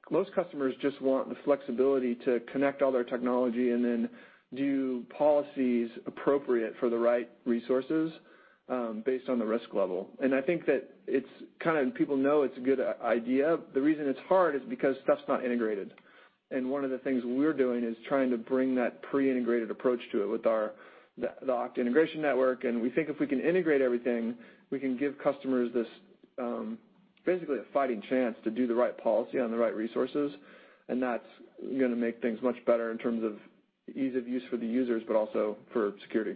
Most customers just want the flexibility to connect all their technology and then do policies appropriate for the right resources based on the risk level. I think that people know it's a good idea. The reason it's hard is because stuff's not integrated. One of the things we're doing is trying to bring that pre-integrated approach to it with the Okta Integration Network. We think if we can integrate everything, we can give customers basically a fighting chance to do the right policy on the right resources, and that's going to make things much better in terms. Ease of use for the users, but also for security.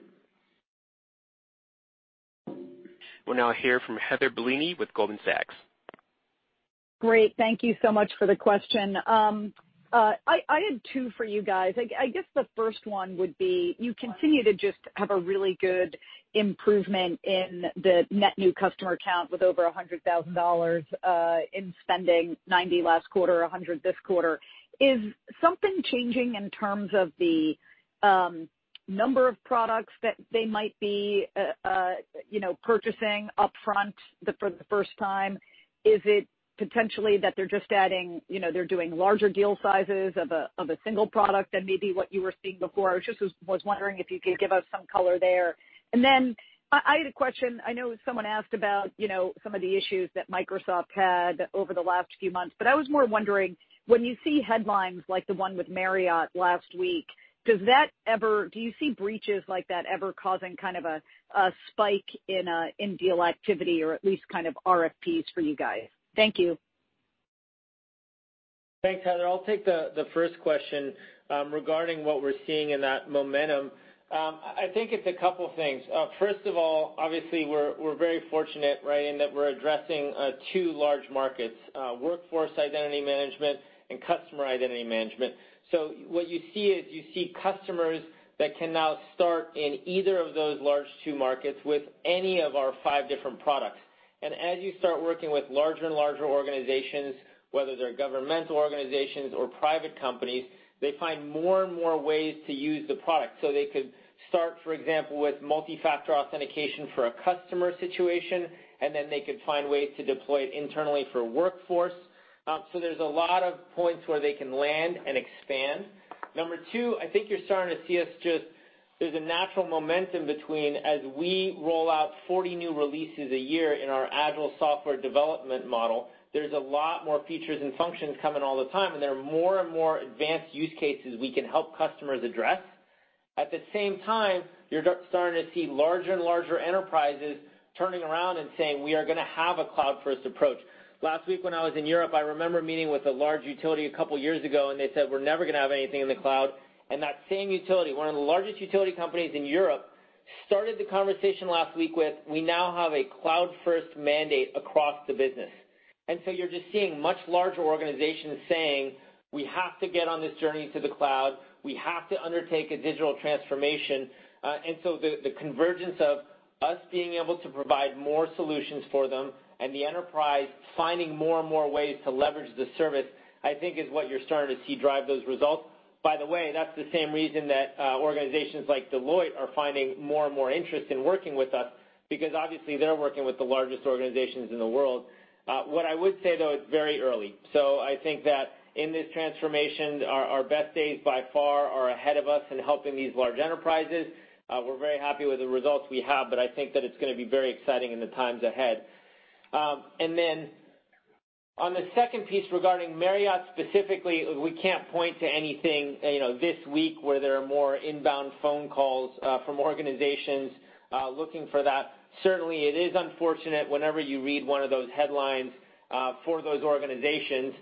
We'll now hear from Heather Bellini with Goldman Sachs. Great. Thank you so much for the question. I had two for you guys. I guess the first one would be, you continue to just have a really good improvement in the net new customer count with over $100,000 in spending, 90 last quarter, 100 this quarter. Is something changing in terms of the number of products that they might be purchasing upfront for the first time? Is it potentially that they're doing larger deal sizes of a single product than maybe what you were seeing before? I just was wondering if you could give us some color there. I had a question, I know someone asked about some of the issues that Microsoft had over the last few months, but I was more wondering, when you see headlines like the one with Marriott last week, do you see breaches like that ever causing a spike in deal activity or at least RFPs for you guys? Thank you. Thanks, Heather. I'll take the first question regarding what we're seeing in that momentum. I think it's a couple things. First of all, obviously, we're very fortunate in that we're addressing two large markets, workforce identity management and customer identity management. What you see is you see customers that can now start in either of those large two markets with any of our five different products. As you start working with larger and larger organizations, whether they're governmental organizations or private companies, they find more and more ways to use the product. They could start, for example, with Multi-Factor Authentication for a customer situation, they could find ways to deploy it internally for workforce. There's a lot of points where they can land and expand. Number 2, I think you're starting to see us just, there's a natural momentum between as we roll out 40 new releases a year in our agile software development model, there's a lot more features and functions coming all the time, there are more and more advanced use cases we can help customers address. At the same time, you're starting to see larger and larger enterprises turning around and saying, "We are going to have a cloud-first approach." Last week when I was in Europe, I remember meeting with a large utility a couple years ago, they said, "We're never going to have anything in the cloud." That same utility, one of the largest utility companies in Europe, started the conversation last week with, "We now have a cloud-first mandate across the business." You're just seeing much larger organizations saying, "We have to get on this journey to the cloud. We have to undertake a digital transformation." The convergence of us being able to provide more solutions for them and the enterprise finding more and more ways to leverage the service, I think is what you're starting to see drive those results. By the way, that's the same reason that organizations like Deloitte are finding more and more interest in working with us because obviously they're working with the largest organizations in the world. What I would say though, it's very early. I think that in this transformation, our best days by far are ahead of us in helping these large enterprises. We're very happy with the results we have, but I think that it's going to be very exciting in the times ahead. On the second piece regarding Marriott specifically, we can't point to anything this week where there are more inbound phone calls from organizations looking for that. Certainly, it is unfortunate whenever you read one of those headlines for those organizations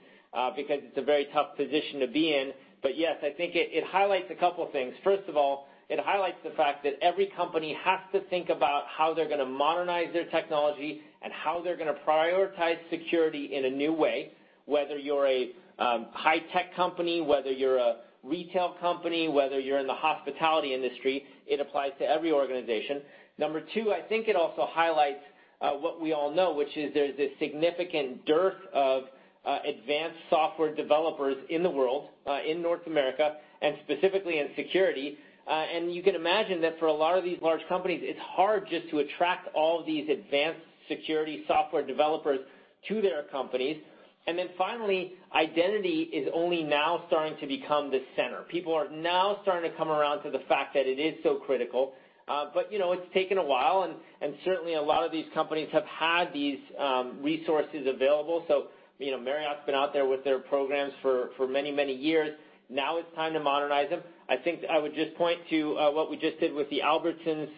because it's a very tough position to be in. Yes, I think it highlights a couple things. First of all, it highlights the fact that every company has to think about how they're going to modernize their technology and how they're going to prioritize security in a new way, whether you're a high-tech company, whether you're a retail company, whether you're in the hospitality industry, it applies to every organization. Number two, I think it also highlights what we all know, which is there's this significant dearth of advanced software developers in the world, in North America, and specifically in security. You can imagine that for a lot of these large companies, it's hard just to attract all of these advanced security software developers to their companies. Finally, identity is only now starting to become the center. People are now starting to come around to the fact that it is so critical. It's taken a while, and certainly a lot of these companies have had these resources available. Marriott's been out there with their programs for many, many years. Now it's time to modernize them. I think I would just point to what we just did with the Albertsons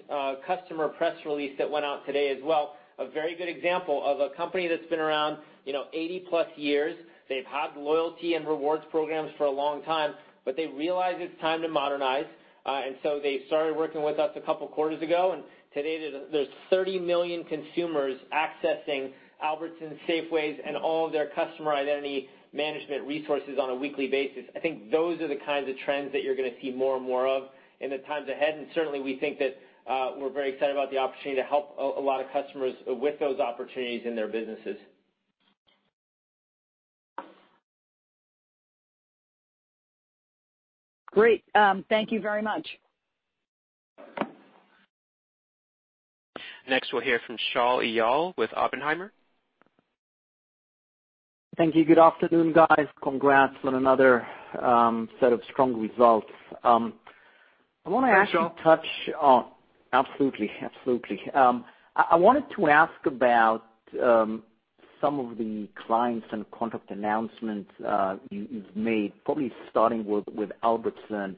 customer press release that went out today as well. A very good example of a company that's been around 80-plus years. They've had loyalty and rewards programs for a long time, but they realize it's time to modernize. They started working with us a couple quarters ago, and today there's 30 million consumers accessing Albertsons, Safeway, and all of their customer identity management resources on a weekly basis. I think those are the kinds of trends that you're going to see more and more of in the times ahead. Certainly, we think that we're very excited about the opportunity to help a lot of customers with those opportunities in their businesses. Great. Thank you very much. Next, we'll hear from Shaul Eyal with Oppenheimer. Thank you. Good afternoon, guys. Congrats on another set of strong results. Hi, Shaul. Absolutely. I wanted to ask about some of the clients and contract announcements you've made, probably starting with Albertsons.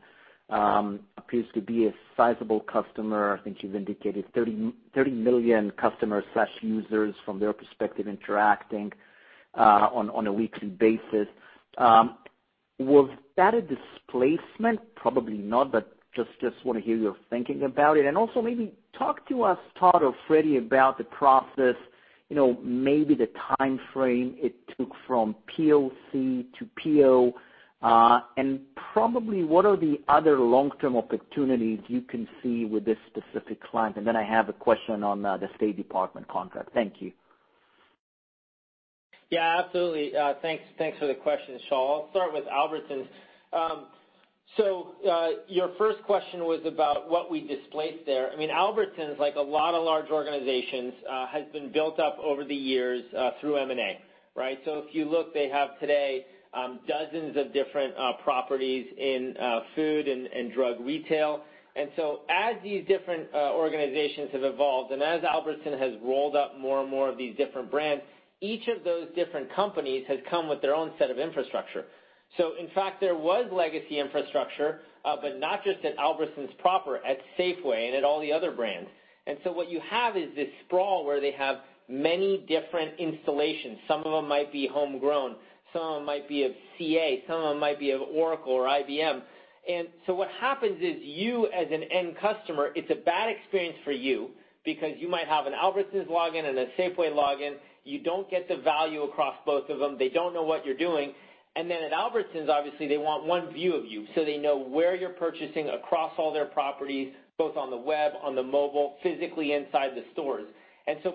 Appears to be a sizable customer. I think you've indicated 30 million customers/users from their perspective interacting on a weekly basis. Was that a displacement? Probably not, but just want to hear your thinking about it. Maybe talk to us, Todd or Freddy, about the process, maybe the timeframe it took from POC to PO, and probably what are the other long-term opportunities you can see with this specific client. I have a question on the State Department contract. Thank you. Absolutely. Thanks for the question, Shaul. I'll start with Albertsons. Your first question was about what we displaced there. Albertsons, like a lot of large organizations, has been built up over the years through M&A, right? If you look, they have today dozens of different properties in food and drug retail. As these different organizations have evolved, as Albertsons has rolled up more and more of these different brands, each of those different companies has come with their own set of infrastructure. In fact, there was legacy infrastructure, but not just at Albertsons proper, at Safeway and at all the other brands. What you have is this sprawl where they have many different installations. Some of them might be homegrown, some of them might be of CA, some of them might be of Oracle or IBM. What happens is you as an end customer, it's a bad experience for you because you might have an Albertsons login and a Safeway login. You don't get the value across both of them. They don't know what you're doing. At Albertsons, obviously, they want one view of you, so they know where you're purchasing across all their properties, both on the web, on the mobile, physically inside the stores.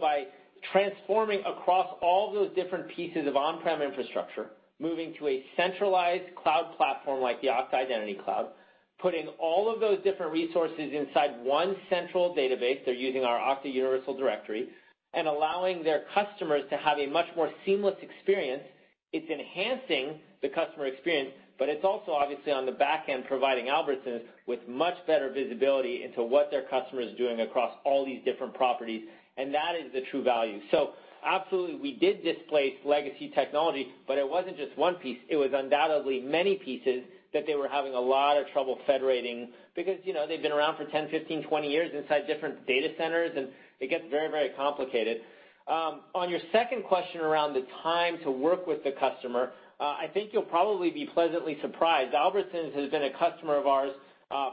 By transforming across all those different pieces of on-prem infrastructure, moving to a centralized cloud platform like the Okta Identity Cloud, putting all of those different resources inside one central database, they're using our Okta Universal Directory, and allowing their customers to have a much more seamless experience, it's enhancing the customer experience, but it's also obviously on the back end, providing Albertsons with much better visibility into what their customer is doing across all these different properties, and that is the true value. Absolutely, we did displace legacy technology, but it wasn't just one piece. It was undoubtedly many pieces that they were having a lot of trouble federating because they've been around for 10, 15, 20 years inside different data centers, and it gets very complicated. On your second question around the time to work with the customer, I think you'll probably be pleasantly surprised. Albertsons has been a customer of ours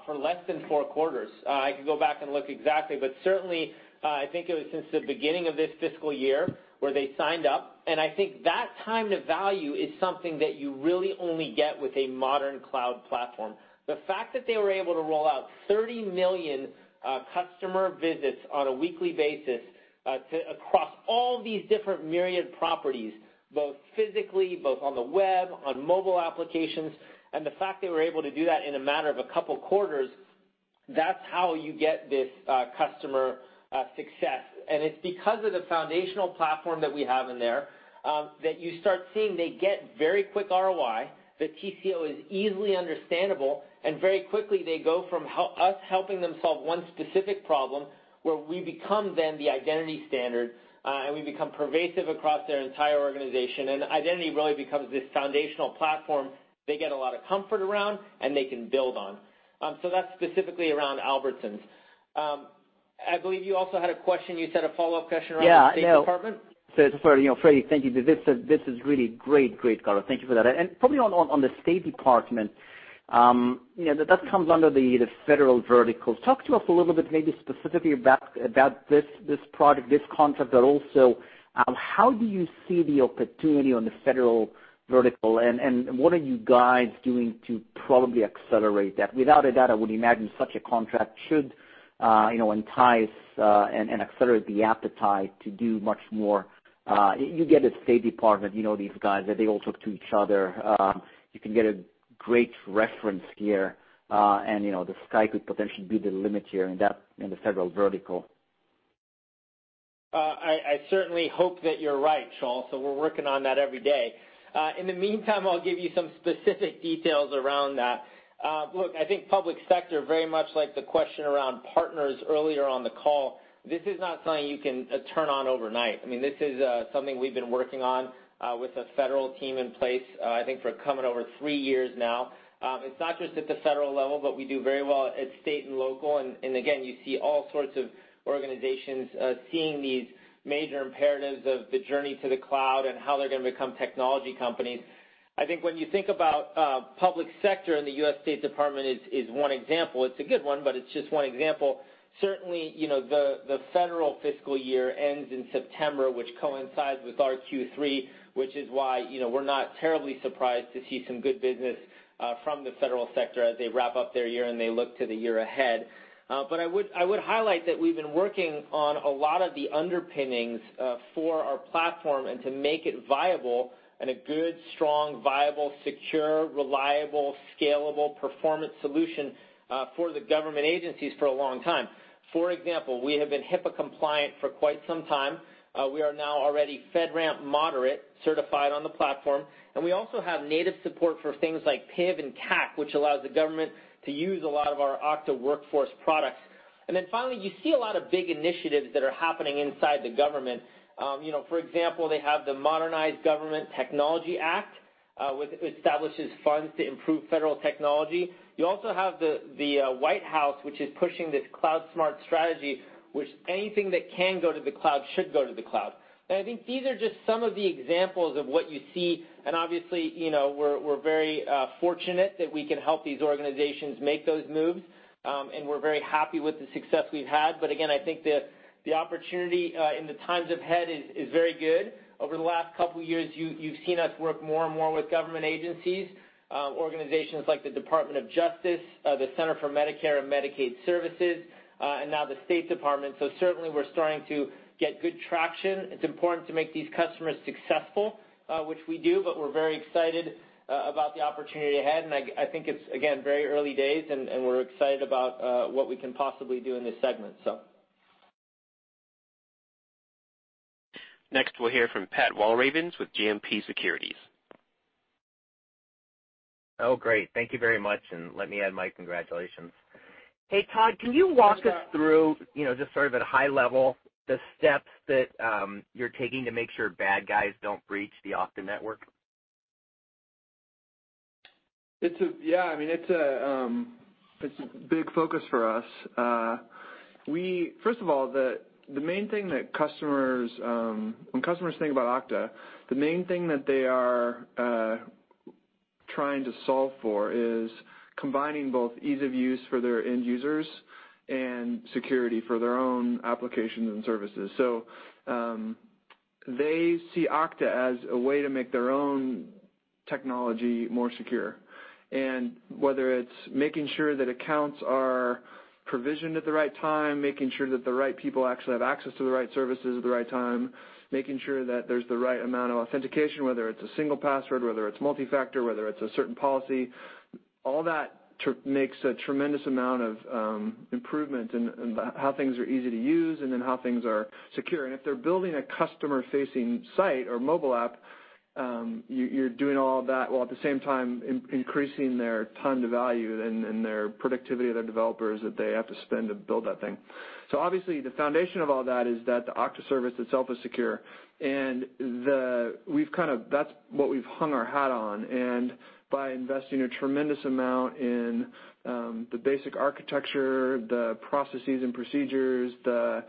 for less than four quarters. I can go back and look exactly, but certainly, I think it was since the beginning of this fiscal year where they signed up. I think that time to value is something that you really only get with a modern cloud platform. The fact that they were able to roll out 30 million customer visits on a weekly basis across all these different myriad properties, both physically, both on the web, on mobile applications, and the fact they were able to do that in a matter of a couple of quarters, that's how you get this customer success. It's because of the foundational platform that we have in there that you start seeing they get very quick ROI, the TCO is easily understandable, and very quickly they go from us helping them solve one specific problem where we become then the identity standard, and we become pervasive across their entire organization. Identity really becomes this foundational platform they get a lot of comfort around and they can build on. That's specifically around Albertsons. I believe you also had a question, you said a follow-up question around the State Department? Yeah. Freddy, thank you. This is really great color. Thank you for that. Probably on the State Department, that comes under the Federal vertical. Talk to us a little bit maybe specifically about this project, this contract, but also how do you see the opportunity on the Federal vertical and what are you guys doing to probably accelerate that? Without a doubt, I would imagine such a contract should entice and accelerate the appetite to do much more. You get a State Department, you know these guys, that they all talk to each other. You can get a great reference here, and the sky could potentially be the limit here in the Federal vertical. I certainly hope that you're right, Shaul. We're working on that every day. In the meantime, I'll give you some specific details around that. Look, I think public sector, very much like the question around partners earlier on the call, this is not something you can turn on overnight. This is something we've been working on with a Federal team in place, I think for coming over three years now. It's not just at the Federal level, but we do very well at State and local, and again, you see all sorts of organizations seeing these major imperatives of the journey to the cloud and how they're going to become technology companies. I think when you think about public sector and the U.S. State Department is one example. It's a good one, but it's just one example. Certainly, the federal fiscal year ends in September, which coincides with our Q3, which is why we're not terribly surprised to see some good business from the federal sector as they wrap up their year and they look to the year ahead. I would highlight that we've been working on a lot of the underpinnings for our platform and to make it viable and a good, strong, viable, secure, reliable, scalable performance solution for the government agencies for a long time. For example, we have been HIPAA compliant for quite some time. We are now already FedRAMP moderate certified on the platform, and we also have native support for things like PIV and CAC, which allows the government to use a lot of our Okta Workforce products. Finally, you see a lot of big initiatives that are happening inside the government. For example, they have the Modernizing Government Technology Act, which establishes funds to improve federal technology. The White House, which is pushing this cloud smart strategy, which anything that can go to the cloud should go to the cloud. I think these are just some of the examples of what you see, and obviously, we're very fortunate that we can help these organizations make those moves. We're very happy with the success we've had. Again, I think the opportunity in the times ahead is very good. Over the last couple of years, you've seen us work more and more with government agencies, organizations like the Department of Justice, the Centers for Medicare & Medicaid Services, and now the State Department. Certainly, we're starting to get good traction. It's important to make these customers successful, which we do, but we're very excited about the opportunity ahead. I think it's, again, very early days, and we're excited about what we can possibly do in this segment. Next, we'll hear from Patrick Walravens with JMP Securities. Oh, great. Thank you very much. Let me add my congratulations. Hey, Todd, can you walk us through, just sort of at a high level, the steps that you're taking to make sure bad guys don't breach the Okta network? Yeah. It's a big focus for us. First of all, when customers think about Okta, the main thing that they are trying to solve for is combining both ease of use for their end users and security for their own applications and services. They see Okta as a way to make their own technology more secure. Whether it's making sure that accounts are provisioned at the right time, making sure that the right people actually have access to the right services at the right time, making sure that there's the right amount of authentication, whether it's a single password, whether it's Multi-Factor, whether it's a certain policy. All that makes a tremendous amount of improvement in how things are easy to use and then how things are secure. If they're building a customer-facing site or mobile app, you're doing all of that while at the same time increasing their time to value and their productivity of their developers that they have to spend to build that thing. Obviously, the foundation of all that is that the Okta service itself is secure, and that's what we've hung our hat on. By investing a tremendous amount in the basic architecture, the processes and procedures, the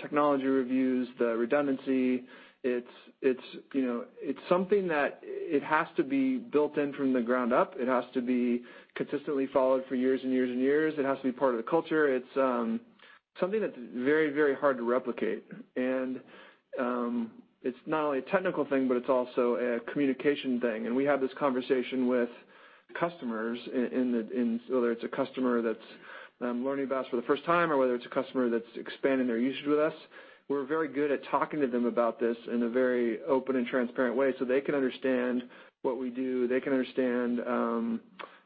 technology reviews, the redundancy, it's something that it has to be built in from the ground up. It has to be consistently followed for years and years and years. It has to be part of the culture. It's something that's very, very hard to replicate. It's not only a technical thing, but it's also a communication thing. We have this conversation with customers, whether it's a customer that's learning about us for the first time or whether it's a customer that's expanding their usage with us. We're very good at talking to them about this in a very open and transparent way so they can understand what we do, they can understand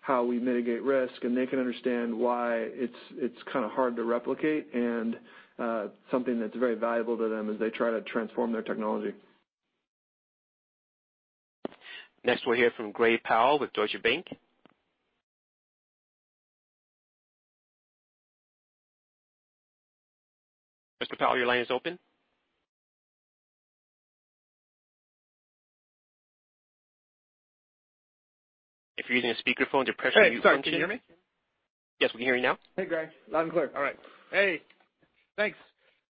how we mitigate risk, and they can understand why it's kind of hard to replicate and something that's very valuable to them as they try to transform their technology. Next, we'll hear from Gray Powell with Deutsche Bank. Mr. Powell, your line is open. If you're using a speakerphone to press mute function. Hey, sorry. Can you hear me? Yes, we can hear you now. Hey, Gray. Loud and clear. All right. Hey, thanks.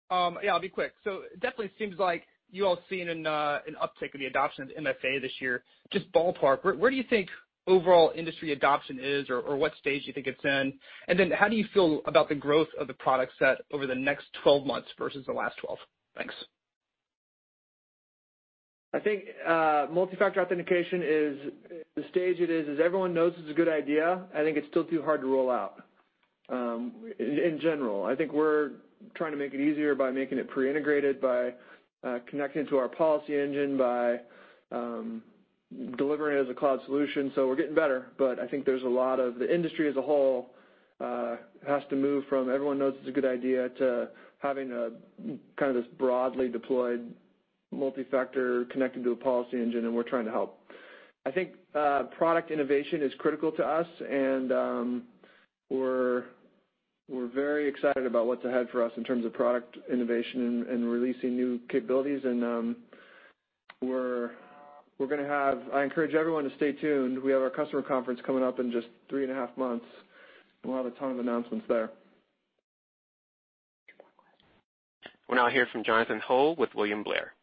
Yeah, I'll be quick. It definitely seems like you all seen an uptick of the adoption of MFA this year. Just ballpark, where do you think overall industry adoption is, or what stage do you think it's in? How do you feel about the growth of the product set over the next 12 months versus the last 12? Thanks. I think Multi-Factor Authentication is, the stage it is everyone knows it's a good idea. I think it's still too hard to roll out. In general. I think we're trying to make it easier by making it pre-integrated, by connecting it to our policy engine, by delivering it as a cloud solution. We're getting better, but I think there's a lot of the industry as a whole has to move from everyone knows it's a good idea to having a kind of this broadly deployed Multi-Factor connected to a policy engine, and we're trying to help. I think product innovation is critical to us, and we're very excited about what's ahead for us in terms of product innovation and releasing new capabilities. I encourage everyone to stay tuned. We have our customer conference coming up in just three and a half months, we'll have a ton of announcements there. We'll now hear from Jonathan Ho with William Blair.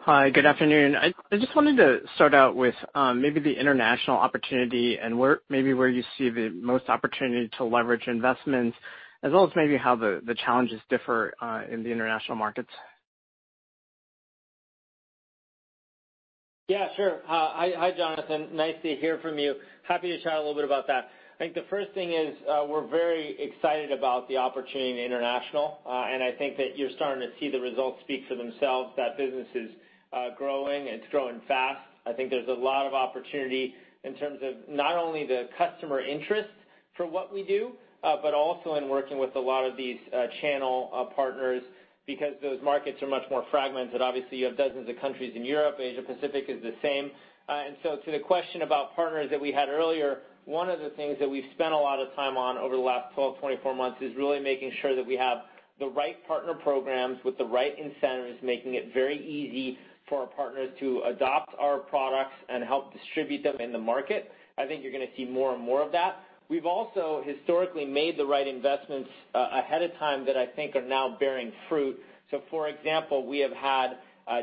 Hi, good afternoon. I just wanted to start out with maybe the international opportunity and maybe where you see the most opportunity to leverage investments, as well as maybe how the challenges differ in the international markets. Yeah, sure. Hi, Jonathan. Nice to hear from you. Happy to chat a little bit about that. I think the first thing is we're very excited about the opportunity in international. I think that you're starting to see the results speak for themselves, that business is growing, it's growing fast. I think there's a lot of opportunity in terms of not only the customer interest for what we do, but also in working with a lot of these channel partners because those markets are much more fragmented. Obviously, you have dozens of countries in Europe, Asia Pacific is the same. To the question about partners that we had earlier, one of the things that we've spent a lot of time on over the last 12 to 24 months is really making sure that we have the right partner programs with the right incentives, making it very easy for our partners to adopt our products and help distribute them in the market. I think you're going to see more and more of that. We've also historically made the right investments ahead of time that I think are now bearing fruit. For example, we have had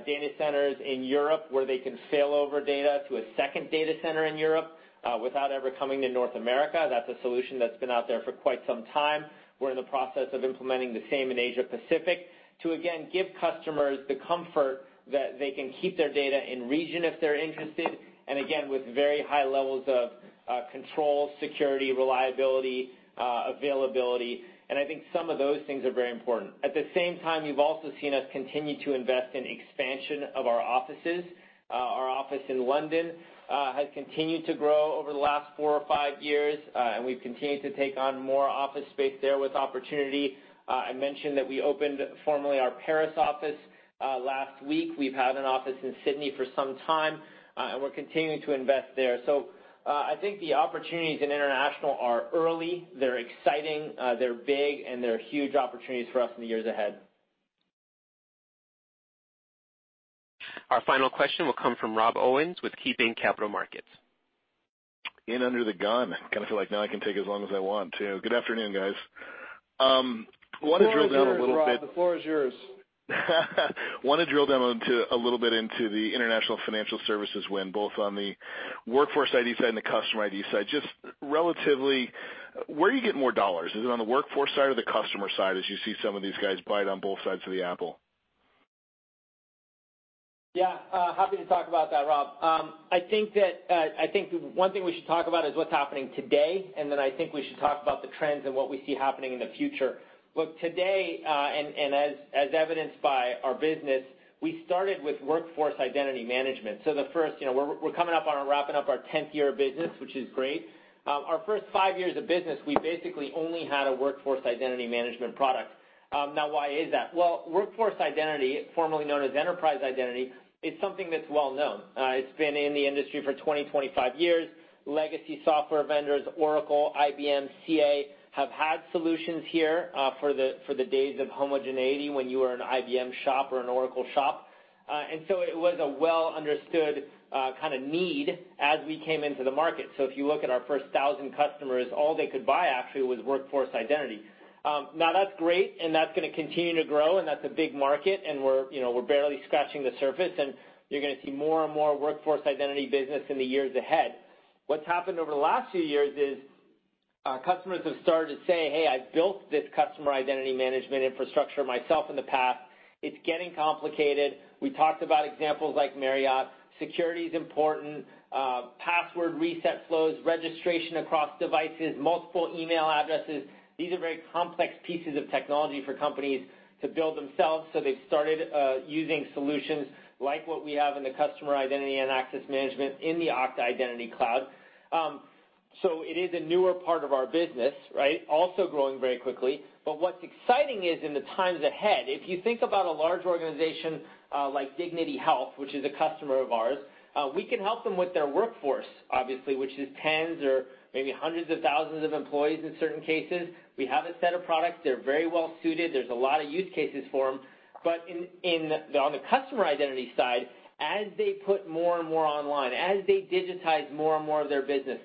data centers in Europe where they can fail over data to a second data center in Europe without ever coming to North America. That's a solution that's been out there for quite some time. We're in the process of implementing the same in Asia Pacific to, again, give customers the comfort that they can keep their data in region if they're interested, and again, with very high levels of control, security, reliability, availability. I think some of those things are very important. At the same time, you've also seen us continue to invest in expansion of our offices. Our office in London has continued to grow over the last four or five years. We've continued to take on more office space there with opportunity. I mentioned that we opened formally our Paris office last week. We've had an office in Sydney for some time, and we're continuing to invest there. I think the opportunities in international are early, they're exciting, they're big, and they're huge opportunities for us in the years ahead. Our final question will come from Rob Owens with KeyBanc Capital Markets. In under the gun. I kind of feel like now I can take as long as I want to. Good afternoon, guys. Want to drill down a little bit- The floor is yours, Rob. The floor is yours. Want to drill down a little bit into the international financial services win, both on the workforce ID side and the customer ID side. Just relatively, where are you getting more dollars? Is it on the workforce side or the customer side as you see some of these guys bite on both sides of the apple? Yeah. Happy to talk about that, Rob. I think one thing we should talk about is what's happening today, then I think we should talk about the trends and what we see happening in the future. Look, today, and as evidenced by our business, we started with workforce identity management. We're coming up on our wrapping up our 10th year of business, which is great. Our first five years of business, we basically only had a workforce identity management product. Now, why is that? Well, workforce identity, formerly known as enterprise identity, is something that's well-known. It's been in the industry for 20-25 years. Legacy software vendors, Oracle, IBM, CA, have had solutions here for the days of homogeneity when you were an IBM shop or an Oracle shop. It was a well-understood kind of need as we came into the market. If you look at our first 1,000 customers, all they could buy actually was Workforce Identity. Now that's great, and that's going to continue to grow, and that's a big market, and we're barely scratching the surface, and you're going to see more and more Workforce Identity business in the years ahead. What's happened over the last few years is customers have started saying, "Hey, I've built this customer identity management infrastructure myself in the past. It's getting complicated." We talked about examples like Marriott. Security's important. Password reset flows, registration across devices, multiple email addresses. These are very complex pieces of technology for companies to build themselves, so they've started using solutions like what we have in the customer identity and access management in the Okta Identity Cloud. It is a newer part of our business, right? Also growing very quickly. What's exciting is in the times ahead, if you think about a large organization like Dignity Health, which is a customer of ours, we can help them with their workforce, obviously. Which is tens or maybe hundreds of thousands of employees in certain cases. We have a set of products. They're very well suited. There's a lot of use cases for them. On the customer identity side, as they put more and more online, as they digitize more and more of their business,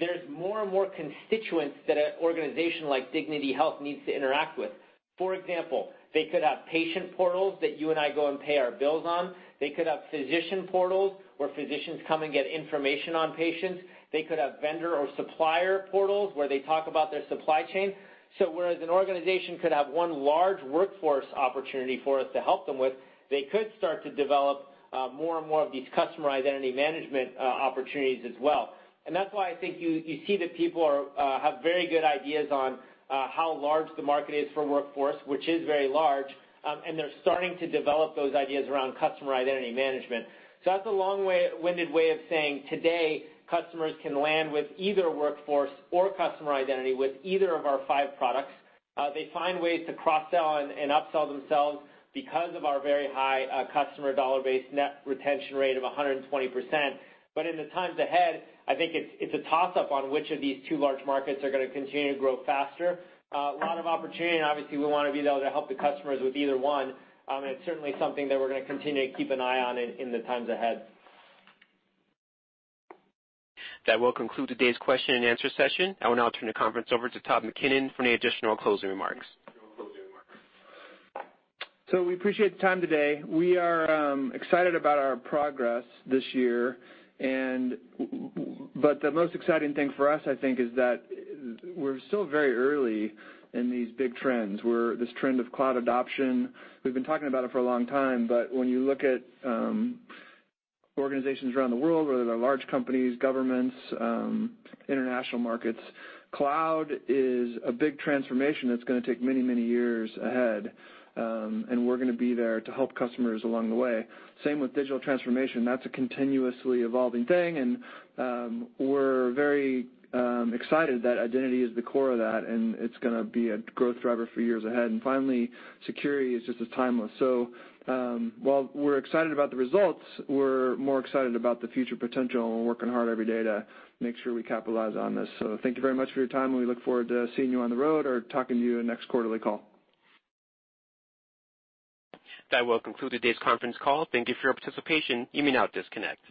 there's more and more constituents that an organization like Dignity Health needs to interact with. For example, they could have patient portals that you and I go and pay our bills on. They could have physician portals where physicians come and get information on patients. They could have vendor or supplier portals where they talk about their supply chain. Whereas an organization could have one large workforce opportunity for us to help them with, they could start to develop more and more of these customer identity management opportunities as well. That's why I think you see that people have very good ideas on how large the market is for workforce, which is very large, and they're starting to develop those ideas around customer identity management. That's a long-winded way of saying today, customers can land with either workforce or customer identity with either of our five products. They find ways to cross-sell and upsell themselves because of our very high customer dollar-based net retention rate of 120%. In the times ahead, I think it's a toss-up on which of these two large markets are going to continue to grow faster. Obviously we want to be able to help the customers with either one. It's certainly something that we're going to continue to keep an eye on in the times ahead. That will conclude today's question and answer session. I will now turn the conference over to Todd McKinnon for any additional closing remarks. We appreciate the time today. We are excited about our progress this year. The most exciting thing for us, I think, is that we're still very early in these big trends, this trend of cloud adoption. We've been talking about it for a long time, when you look at organizations around the world, whether they're large companies, governments, international markets, cloud is a big transformation that's going to take many, many years ahead. We're going to be there to help customers along the way. Same with digital transformation. That's a continuously evolving thing, we're very excited that identity is the core of that, it's going to be a growth driver for years ahead. Finally, security is just as timeless. While we're excited about the results, we're more excited about the future potential, we're working hard every day to make sure we capitalize on this. Thank you very much for your time, we look forward to seeing you on the road or talking to you next quarterly call. That will conclude today's conference call. Thank you for your participation. You may now disconnect.